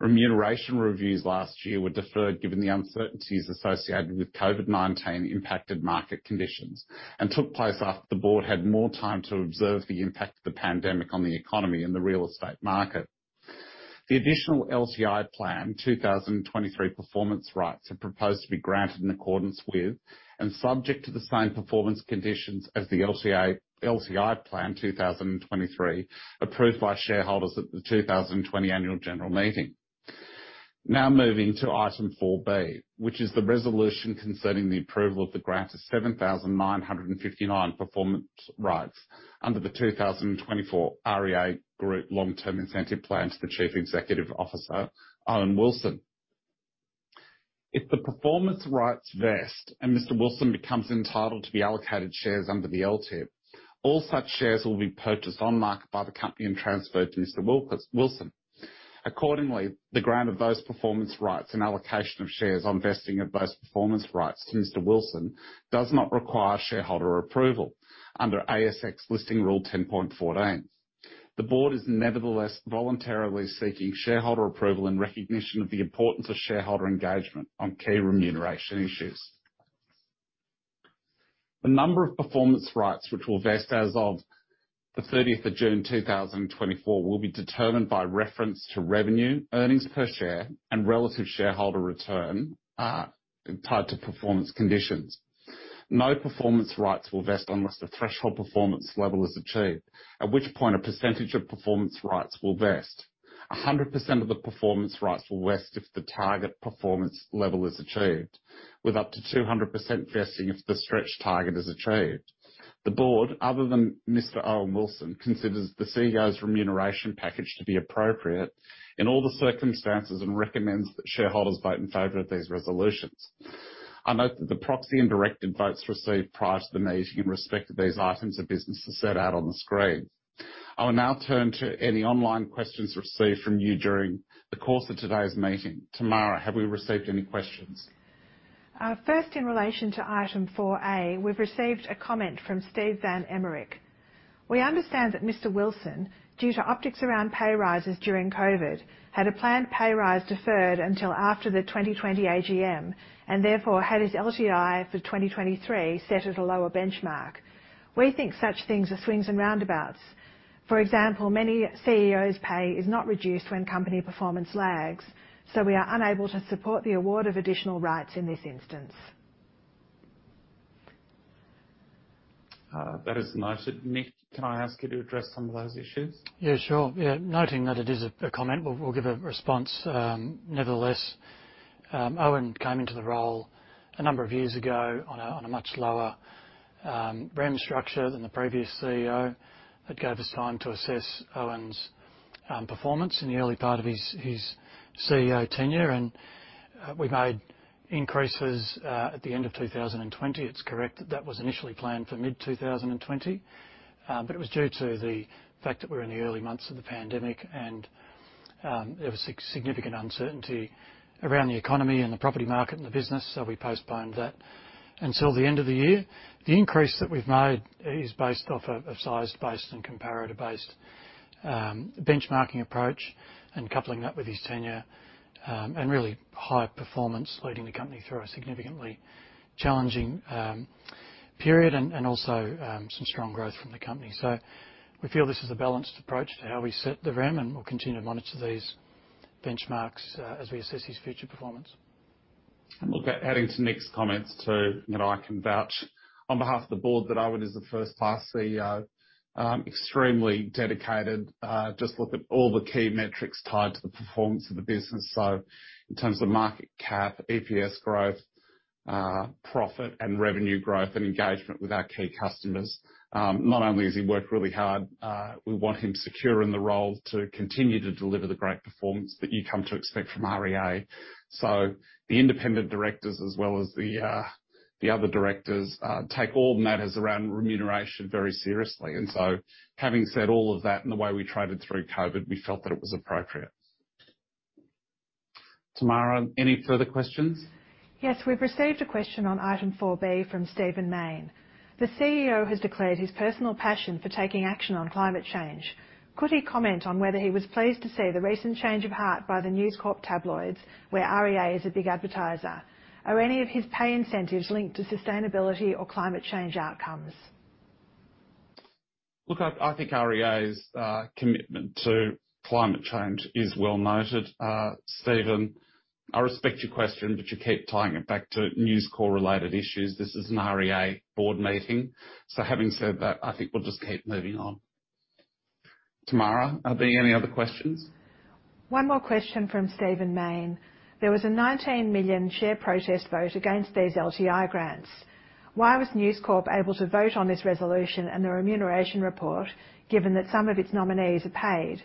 Remuneration reviews last year were deferred given the uncertainties associated with COVID-19 impacted market conditions and took place after the board had more time to observe the impact of the pandemic on the economy and the real estate market. The additional LTI Plan 2023 performance rights are proposed to be granted in accordance with and subject to the same performance conditions as the LTI Plan 2023 approved by shareholders at the 2020 annual general meeting. Now moving to item 4B, which is the resolution concerning the approval of the grant of 7,959 performance rights under the 2024 REA Group long-term incentive plan to the Chief Executive Officer, Owen Wilson. If the performance rights vest and Mr. Wilson becomes entitled to be allocated shares under the LTIP, all such shares will be purchased on market by the company and transferred to Mr. Wilson. Accordingly, the grant of those performance rights and allocation of shares on vesting of those performance rights to Mr. Wilson does not require shareholder approval under ASX Listing Rule 10.14. The board is nevertheless voluntarily seeking shareholder approval in recognition of the importance of shareholder engagement on key remuneration issues. The number of performance rights which will vest as of the 30th of June 2024 will be determined by reference to revenue, earnings per share, and relative shareholder return tied to performance conditions. No performance rights will vest unless the threshold performance level is achieved, at which point a percentage of performance rights will vest. 100% of the performance rights will vest if the target performance level is achieved, with up to 200% vesting if the stretch target is achieved. The board, other than Mr. Owen Wilson, considers the CEO's remuneration package to be appropriate in all the circumstances and recommends that shareholders vote in favor of these resolutions. I note that the proxy and directed votes received prior to the meeting in respect of these items of business are set out on the screen. I will now turn to any online questions received from you during the course of today's meeting. Tamara, have we received any questions? First, in relation to item 4A, we've received a comment from Steve Van Emerick. We understand that Mr. Wilson, due to optics around pay rises during COVID, had a planned pay rise deferred until after the 2020 AGM and therefore had his LTI for 2023 set at a lower benchmark. We think such things are swings and roundabouts. For example, many CEOs' pay is not reduced when company performance lags, so we are unable to support the award of additional rights in this instance. That is no. Nick, can I ask you to address some of those issues? Yeah, sure. Noting that it is a comment, we'll give a response. Nevertheless, Owen came into the role a number of years ago on a much lower REM structure than the previous CEO. That gave us time to assess Owen's performance in the early part of his CEO tenure, and we made increases at the end of 2020. It's correct that that was initially planned for mid-2020, but it was due to the fact that we're in the early months of the pandemic, and there was significant uncertainty around the economy and the property market and the business, so we postponed that until the end of the year. The increase that we've made is based off of a size-based and comparator-based benchmarking approach and coupling that with his tenure and really high performance, leading the company through a significantly challenging period and also some strong growth from the company. We feel this is a balanced approach to how we set the REM, and we'll continue to monitor these benchmarks as we assess his future performance. Look, adding to Nick's comments too, I can vouch on behalf of the board that Owen is the first-class CEO, extremely dedicated. Just look at all the key metrics tied to the performance of the business. In terms of market cap, EPS growth, profit, and revenue growth, and engagement with our key customers, not only has he worked really hard, we want him secure in the role to continue to deliver the great performance that you come to expect from REA. The independent directors, as well as the other directors, take all matters around remuneration very seriously. Having said all of that and the way we traded through COVID, we felt that it was appropriate. Tamara, any further questions? Yes, we've received a question on item 4B from Stephen Mayne. The CEO has declared his personal passion for taking action on climate change. Could he comment on whether he was pleased to see the recent change of heart by the News Corp tabloids, where REA is a big advertiser? Are any of his pay incentives linked to sustainability or climate change outcomes? Look, I think REA's commitment to climate change is well noted. Stephen, I respect your question, but you keep tying it back to News Corp-related issues. This is an REA board meeting. Having said that, I think we will just keep moving on. Tamara, are there any other questions? One more question from Stephen Mayne. There was a 19 million share protest vote against these LTI grants. Why was News Corp able to vote on this resolution and the remuneration report, given that some of its nominees are paid?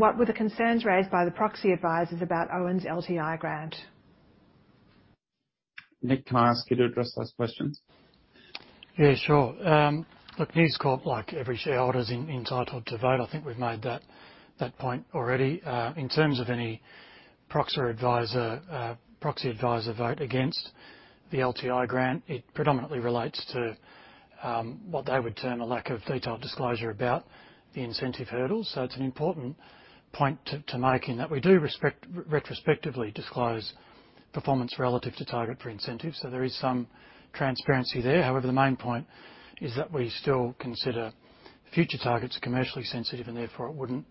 What were the concerns raised by the proxy advisors about Owen's LTI grant? Nick, can I ask you to address those questions? Yeah, sure. Look, News Corp, like every shareholder, is entitled to vote. I think we've made that point already. In terms of any proxy advisor vote against the LTI grant, it predominantly relates to what they would term a lack of detailed disclosure about the incentive hurdles. It is an important point to make in that we do retrospectively disclose performance relative to target for incentives, so there is some transparency there. However, the main point is that we still consider future targets commercially sensitive, and therefore it would not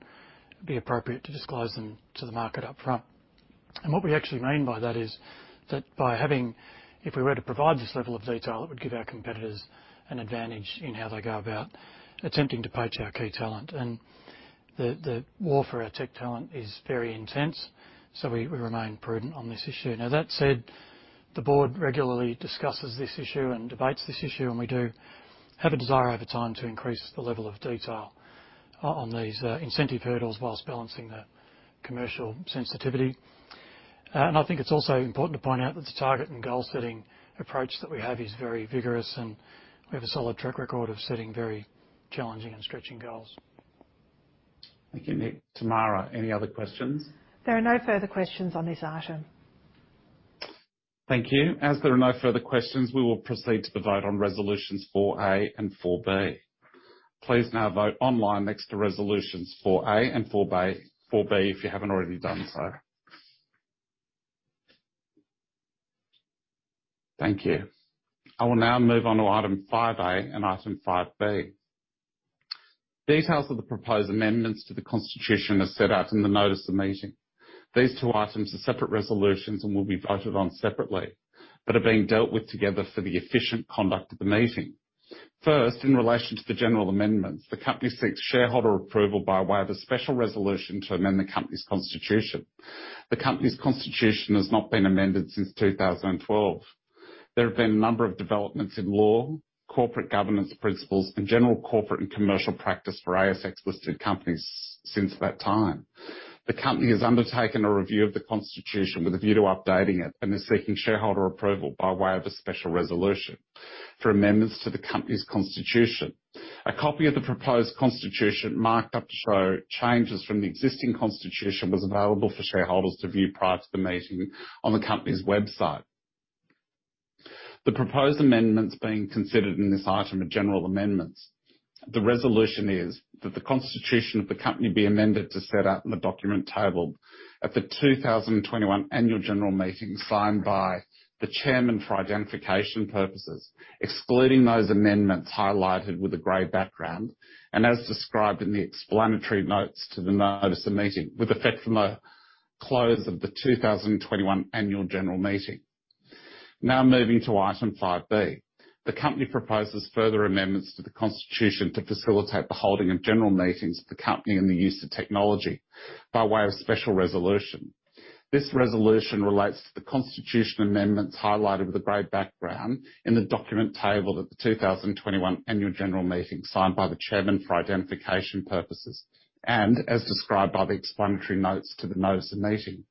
be appropriate to disclose them to the market upfront. What we actually mean by that is that if we were to provide this level of detail, it would give our competitors an advantage in how they go about attempting to poach our key talent. The war for our tech talent is very intense, so we remain prudent on this issue. That said, the board regularly discusses this issue and debates this issue, and we do have a desire over time to increase the level of detail on these incentive hurdles whilst balancing the commercial sensitivity. I think it is also important to point out that the target and goal-setting approach that we have is very vigorous, and we have a solid track record of setting very challenging and stretching goals. Thank you, Nick. Tamara, any other questions? There are no further questions on this item. Thank you. As there are no further questions, we will proceed to the vote on resolutions 4A and 4B. Please now vote online next to resolutions 4A and 4B if you have not already done so. Thank you. I will now move on to item 5A and item 5B. Details of the proposed amendments to the Constitution are set out in the notice of meeting. These two items are separate resolutions and will be voted on separately but are being dealt with together for the efficient conduct of the meeting. First, in relation to the general amendments, the company seeks shareholder approval by way of a special resolution to amend the company's Constitution. The company's Constitution has not been amended since 2012. There have been a number of developments in law, corporate governance principles, and general corporate and commercial practice for ASX-listed companies since that time. The company has undertaken a review of the Constitution with a view to updating it and is seeking shareholder approval by way of a special resolution for amendments to the company's Constitution. A copy of the proposed Constitution marked up to show changes from the existing Constitution was available for shareholders to view prior to the meeting on the company's website. The proposed amendments being considered in this item are general amendments. The resolution is that the Constitution of the company be amended to set out in the document tabled at the 2021 annual general meeting signed by the Chairman for identification purposes, excluding those amendments highlighted with a grey background and as described in the explanatory notes to the notice of meeting with effect from the close of the 2021 annual general meeting. Now moving to item 5B, the company proposes further amendments to the Constitution to facilitate the holding of general meetings of the company and the use of technology by way of special resolution. This resolution relates to the Constitution amendments highlighted with a grey background in the document table at the 2021 annual general meeting signed by the Chairman for identification purposes and as described by the explanatory notes to the notice of meeting.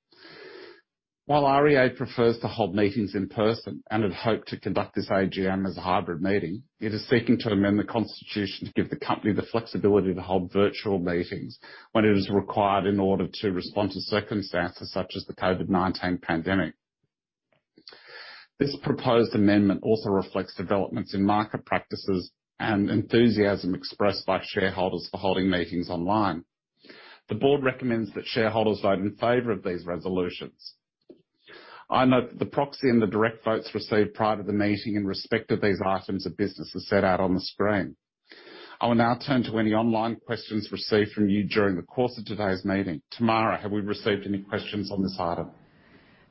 While REA prefers to hold meetings in person and had hoped to conduct this AGM as a hybrid meeting, it is seeking to amend the Constitution to give the company the flexibility to hold virtual meetings when it is required in order to respond to circumstances such as the COVID-19 pandemic. This proposed amendment also reflects developments in market practices and enthusiasm expressed by shareholders for holding meetings online. The Board recommends that shareholders vote in favor of these resolutions. I note that the proxy and the direct votes received prior to the meeting in respect of these items of business are set out on the screen. I will now turn to any online questions received from you during the course of today's meeting. Tamara, have we received any questions on this item?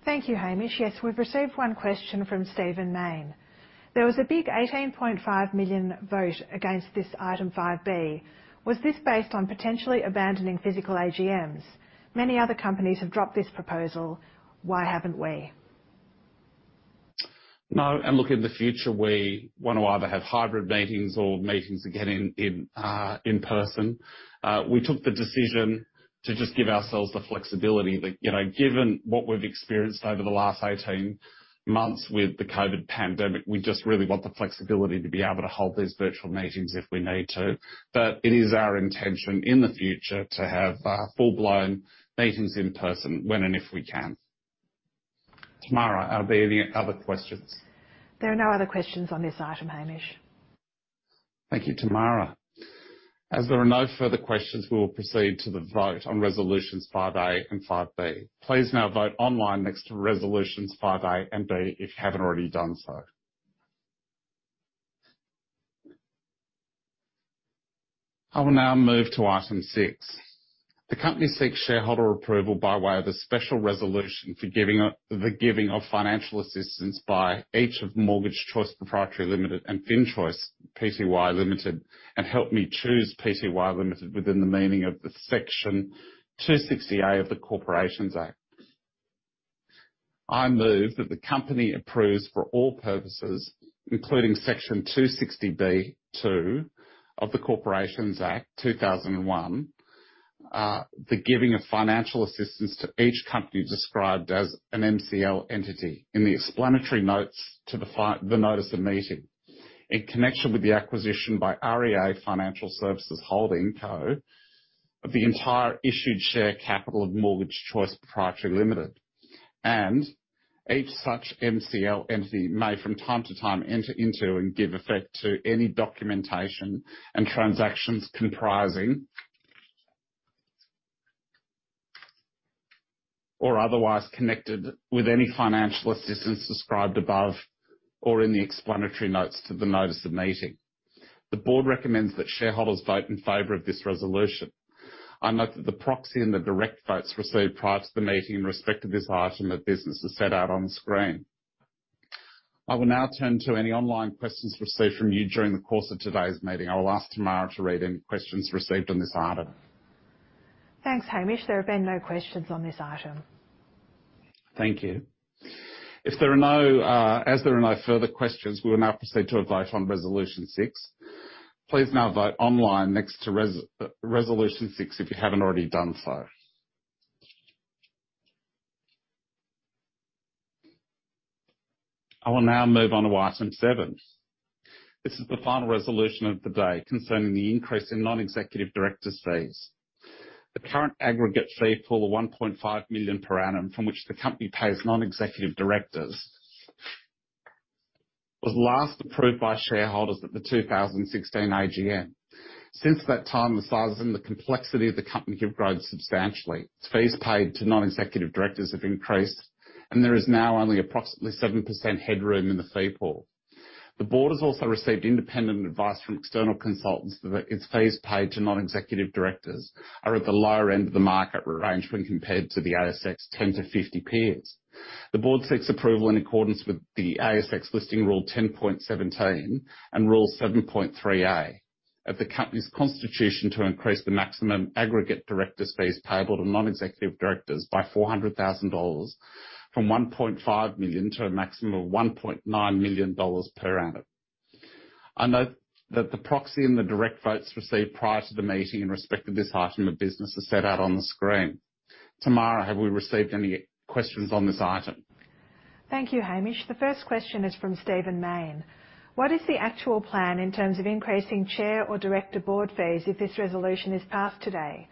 Thank you, Hamish. Yes, we've received one question from Stephen Mayne. There was a big 18.5 million vote against this item 5B. Was this based on potentially abandoning physical AGMs? Many other companies have dropped this proposal. Why haven't we? No, and look, in the future, we want to either have hybrid meetings or meetings again in person. We took the decision to just give ourselves the flexibility that, given what we've experienced over the last 18 months with the COVID pandemic, we just really want the flexibility to be able to hold these virtual meetings if we need to. It is our intention in the future to have full-blown meetings in person when and if we can. Tamara, are there any other questions? There are no other questions on this item, Hamish. Thank you, Tamara. As there are no further questions, we will proceed to the vote on resolutions 5A and 5B. Please now vote online next to resolutions 5A and 5B if you haven't already done so. I will now move to item 6. The company seeks shareholder approval by way of a special resolution for the giving of financial assistance by each of Mortgage Choice Proprietary Limited and FinChoice Pty Limited and Help Me Choose Pty Limited within the meaning of Section 260A of the Corporations Act. I move that the company approves for all purposes, including Section 260B(2) of the Corporations Act 2001, the giving of financial assistance to each company described as an MCL entity in the explanatory notes to the notice of meeting in connection with the acquisition by REA Financial Services Holding Co. of the entire issued share capital of Mortgage Choice Proprietary Limited. Each such MCL entity may from time to time enter into and give effect to any documentation and transactions comprising or otherwise connected with any financial assistance described above or in the explanatory notes to the notice of meeting. The board recommends that shareholders vote in favor of this resolution. I note that the proxy and the direct votes received prior to the meeting in respect of this item of business are set out on the screen. I will now turn to any online questions received from you during the course of today's meeting. I will ask Tamara to read any questions received on this item. Thanks, Hamish. There have been no questions on this item. Thank you. As there are no further questions, we will now proceed to a vote on resolution 6. Please now vote online next to resolution 6 if you haven't already done so. I will now move on to item 7. This is the final resolution of the day concerning the increase in non-executive directors' fees. The current aggregate fee for the 1.5 million per annum from which the company pays non-executive directors was last approved by shareholders at the 2016 AGM. Since that time, the size and the complexity of the company have grown substantially. Fees paid to non-executive directors have increased, and there is now only approximately 7% headroom in the fee pool. The board has also received independent advice from external consultants that its fees paid to non-executive directors are at the lower end of the market range when compared to the ASX 10-50 peers. The board seeks approval in accordance with the ASX Listing Rule 10.17 and rule 7.3A of the company's Constitution to increase the maximum aggregate directors' fees payable to non-executive directors by 400,000 dollars from 1.5 million to a maximum of 1.9 million dollars per annum. I note that the proxy and the direct votes received prior to the meeting in respect of this item of business are set out on the screen. Tamara, have we received any questions on this item? Thank you, Hamish. The first question is from Stephen Mayne. What is the actual plan in terms of increasing chair or director board fees if this resolution is passed today?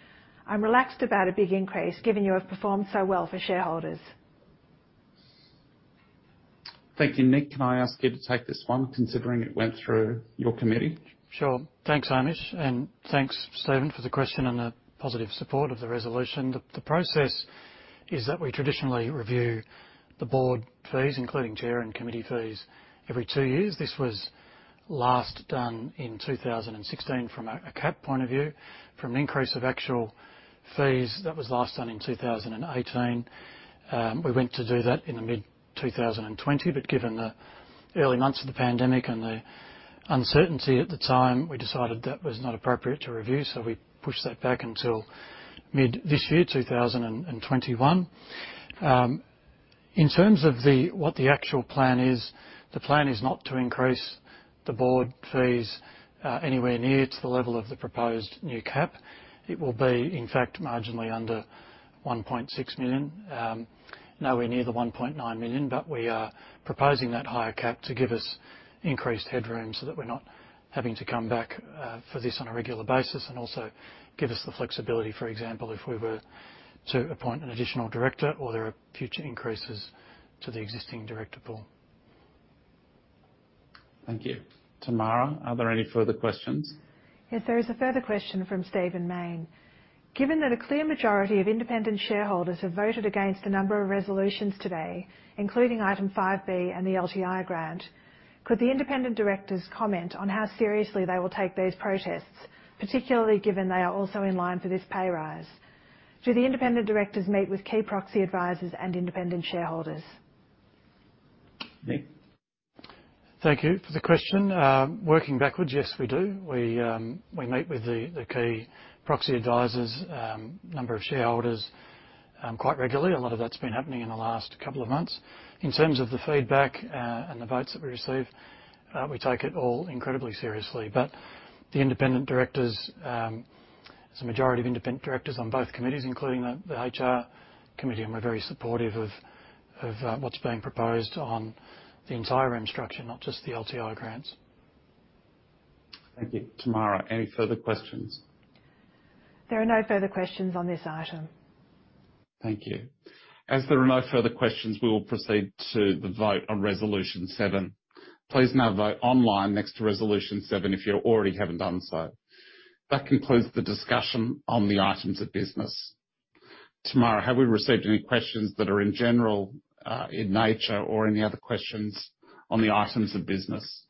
I'm relaxed about a big increase given you have performed so well for shareholders. Thank you, Nick. Can I ask you to take this one considering it went through your committee? Sure. Thanks, Hamish. Thanks, Stephen, for the question and the positive support of the resolution. The process is that we traditionally review the board fees, including chair and committee fees, every two years. This was last done in 2016 from a cap point of view, from an increase of actual fees that was last done in 2018. We went to do that in mid-2020, but given the early months of the pandemic and the uncertainty at the time, we decided that was not appropriate to review, so we pushed that back until mid this year, 2021. In terms of what the actual plan is, the plan is not to increase the board fees anywhere near to the level of the proposed new cap. It will be, in fact, marginally under 1.6 million. Nowhere near the 1.9 million, but we are proposing that higher cap to give us increased headroom so that we're not having to come back for this on a regular basis and also give us the flexibility, for example, if we were to appoint an additional director or there are future increases to the existing director pool. Thank you. Tamara, are there any further questions? Yes, there is a further question from Stephen Mayne. Given that a clear majority of independent shareholders have voted against a number of resolutions today, including item 5B and the LTI grant, could the independent directors comment on how seriously they will take these protests, particularly given they are also in line for this pay rise? Do the independent directors meet with key proxy advisors and independent shareholders? Nick? Thank you for the question. Working backwards, yes, we do. We meet with the key proxy advisors, number of shareholders quite regularly. A lot of that's been happening in the last couple of months. In terms of the feedback and the votes that we receive, we take it all incredibly seriously. The independent directors, there's a majority of independent directors on both committees, including the HR committee, and we're very supportive of what's being proposed on the entire infrastructure, not just the LTI grants. Thank you. Tamara, any further questions? There are no further questions on this item. Thank you. As there are no further questions, we will proceed to the vote on resolution 7. Please now vote online next to resolution 7 if you already haven't done so. That concludes the discussion on the items of business. Tamara, have we received any questions that are general in nature or any other questions on the items of business?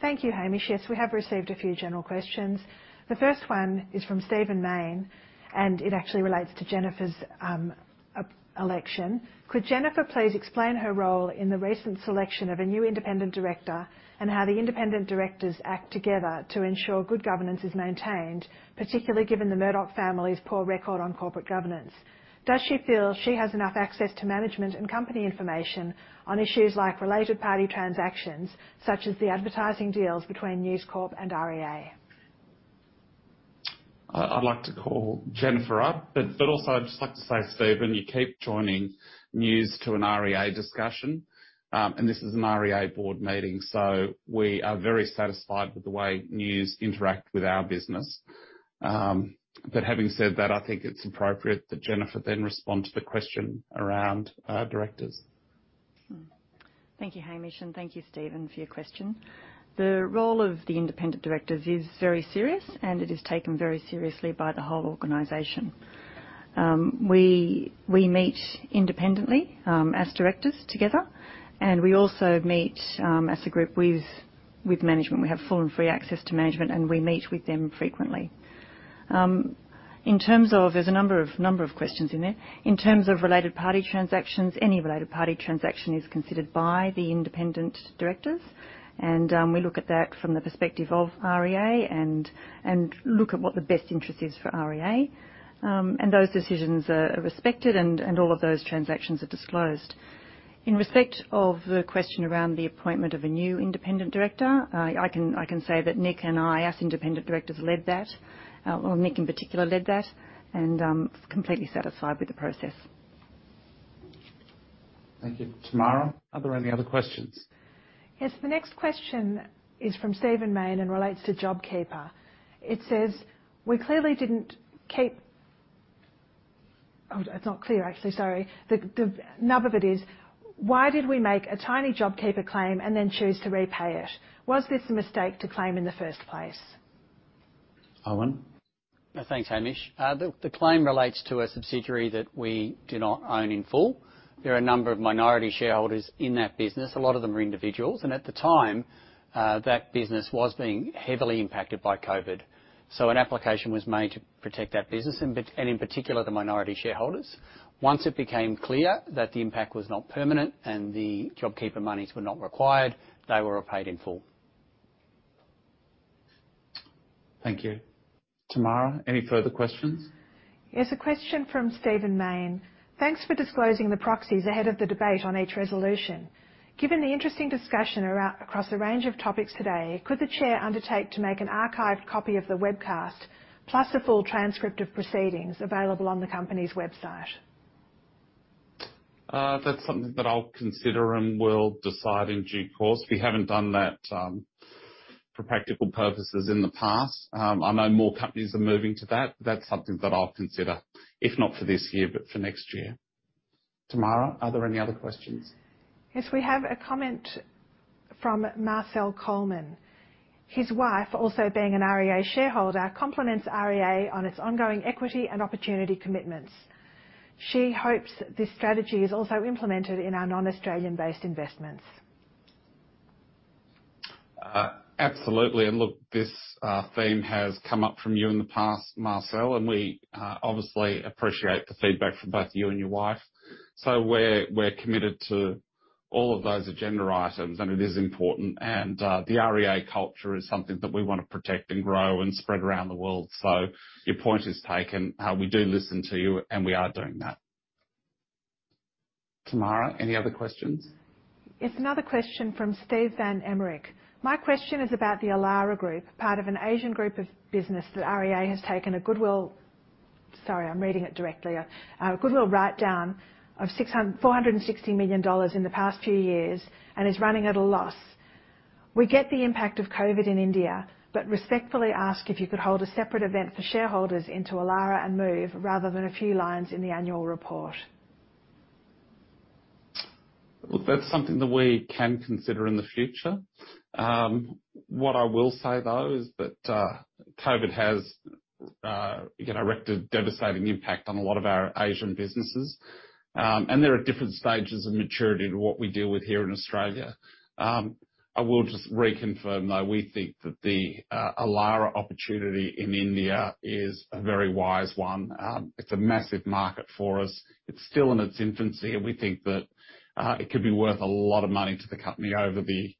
Thank you, Hamish. Yes, we have received a few general questions. The first one is from Stephen Mayne, and it actually relates to Jennifer's election. Could Jennifer please explain her role in the recent selection of a new independent director and how the independent directors act together to ensure good governance is maintained, particularly given the Murdoch family's poor record on corporate governance? Does she feel she has enough access to management and company information on issues like related party transactions, such as the advertising deals between News Corp and REA? I'd like to call Jennifer up, but also I'd just like to say, Stephen, you keep joining news to an REA discussion, and this is an REA board meeting, so we are very satisfied with the way news interacts with our business. Having said that, I think it's appropriate that Jennifer then respond to the question around directors. Thank you, Hamish, and thank you, Stephen, for your question. The role of the independent directors is very serious, and it is taken very seriously by the whole organization. We meet independently as directors together, and we also meet as a group with management. We have full and free access to management, and we meet with them frequently. There's a number of questions in there. In terms of related party transactions, any related party transaction is considered by the independent directors, and we look at that from the perspective of REA and look at what the best interest is for REA, and those decisions are respected, and all of those transactions are disclosed. In respect of the question around the appointment of a new independent director, I can say that Nick and I, as independent directors, led that, or Nick in particular led that, and completely satisfied with the process. Thank you. Tamara, are there any other questions? Yes, the next question is from Stephen Mayne and relates to JobKeeper. It says, "We clearly didn't keep—" Oh, it's not clear, actually. Sorry. The nub of it is, "Why did we make a tiny JobKeeper claim and then choose to repay it? Was this a mistake to claim in the first place?" Owen? Thanks, Hamish. The claim relates to a subsidiary that we do not own in full. There are a number of minority shareholders in that business. A lot of them are individuals, and at the time, that business was being heavily impacted by COVID. An application was made to protect that business, and in particular, the minority shareholders. Once it became clear that the impact was not permanent and the JobKeeper monies were not required, they were repaid in full. Thank you. Tamara, any further questions? There's a question from Stephen Mayne. "Thanks for disclosing the proxies ahead of the debate on each resolution. Given the interesting discussion across a range of topics today, could the chair undertake to make an archived copy of the webcast plus a full transcript of proceedings available on the company's website? That's something that I'll consider and will decide in due course. We haven't done that for practical purposes in the past. I know more companies are moving to that, but that's something that I'll consider, if not for this year, but for next year. Tamara, are there any other questions? Yes, we have a comment from Marcel Coleman. His wife, also being an REA shareholder, complements REA on its ongoing equity and opportunity commitments. She hopes this strategy is also implemented in our non-Australian-based investments. Absolutely. Look, this theme has come up from you in the past, Marcel, and we obviously appreciate the feedback from both you and your wife. We are committed to all of those agenda items, and it is important. The REA culture is something that we want to protect and grow and spread around the world. Your point is taken. We do listen to you, and we are doing that. Tamara, any other questions? Yes, another question from Stephen Emmerich. "My question is about the Elara Group, part of an Asian group of business that REA has taken a goodwill—" Sorry, I'm reading it directly. "A goodwill write-down of 460 million dollars in the past few years and is running at a loss. We get the impact of COVID in India, but respectfully ask if you could hold a separate event for shareholders into Elara and Move rather than a few lines in the annual report." That is something that we can consider in the future. What I will say, though, is that COVID has erected a devastating impact on a lot of our Asian businesses, and there are different stages of maturity to what we deal with here in Australia. I will just reconfirm, though, we think that the Elara opportunity in India is a very wise one. It's a massive market for us. It's still in its infancy, and we think that it could be worth a lot of money to the company over the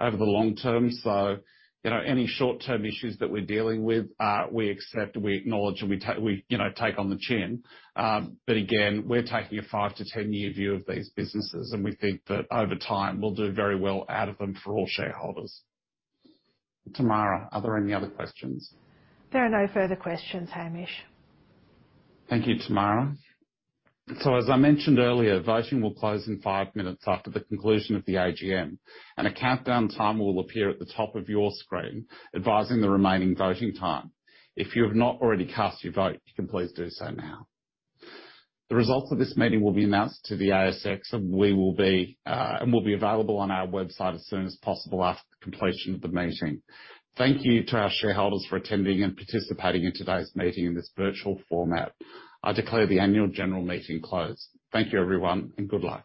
long term. Any short-term issues that we're dealing with, we accept, we acknowledge, and we take on the chin. Again, we're taking a 5-10-year view of these businesses, and we think that over time, we'll do very well out of them for all shareholders. Tamara, are there any other questions? There are no further questions, Hamish. Thank you, Tamara. As I mentioned earlier, voting will close in five minutes after the conclusion of the AGM, and a countdown timer will appear at the top of your screen advising the remaining voting time. If you have not already cast your vote, you can please do so now. The results of this meeting will be announced to the ASX, and will be available on our website as soon as possible after the completion of the meeting. Thank you to our shareholders for attending and participating in today's meeting in this virtual format. I declare the annual general meeting closed. Thank you, everyone, and good luck.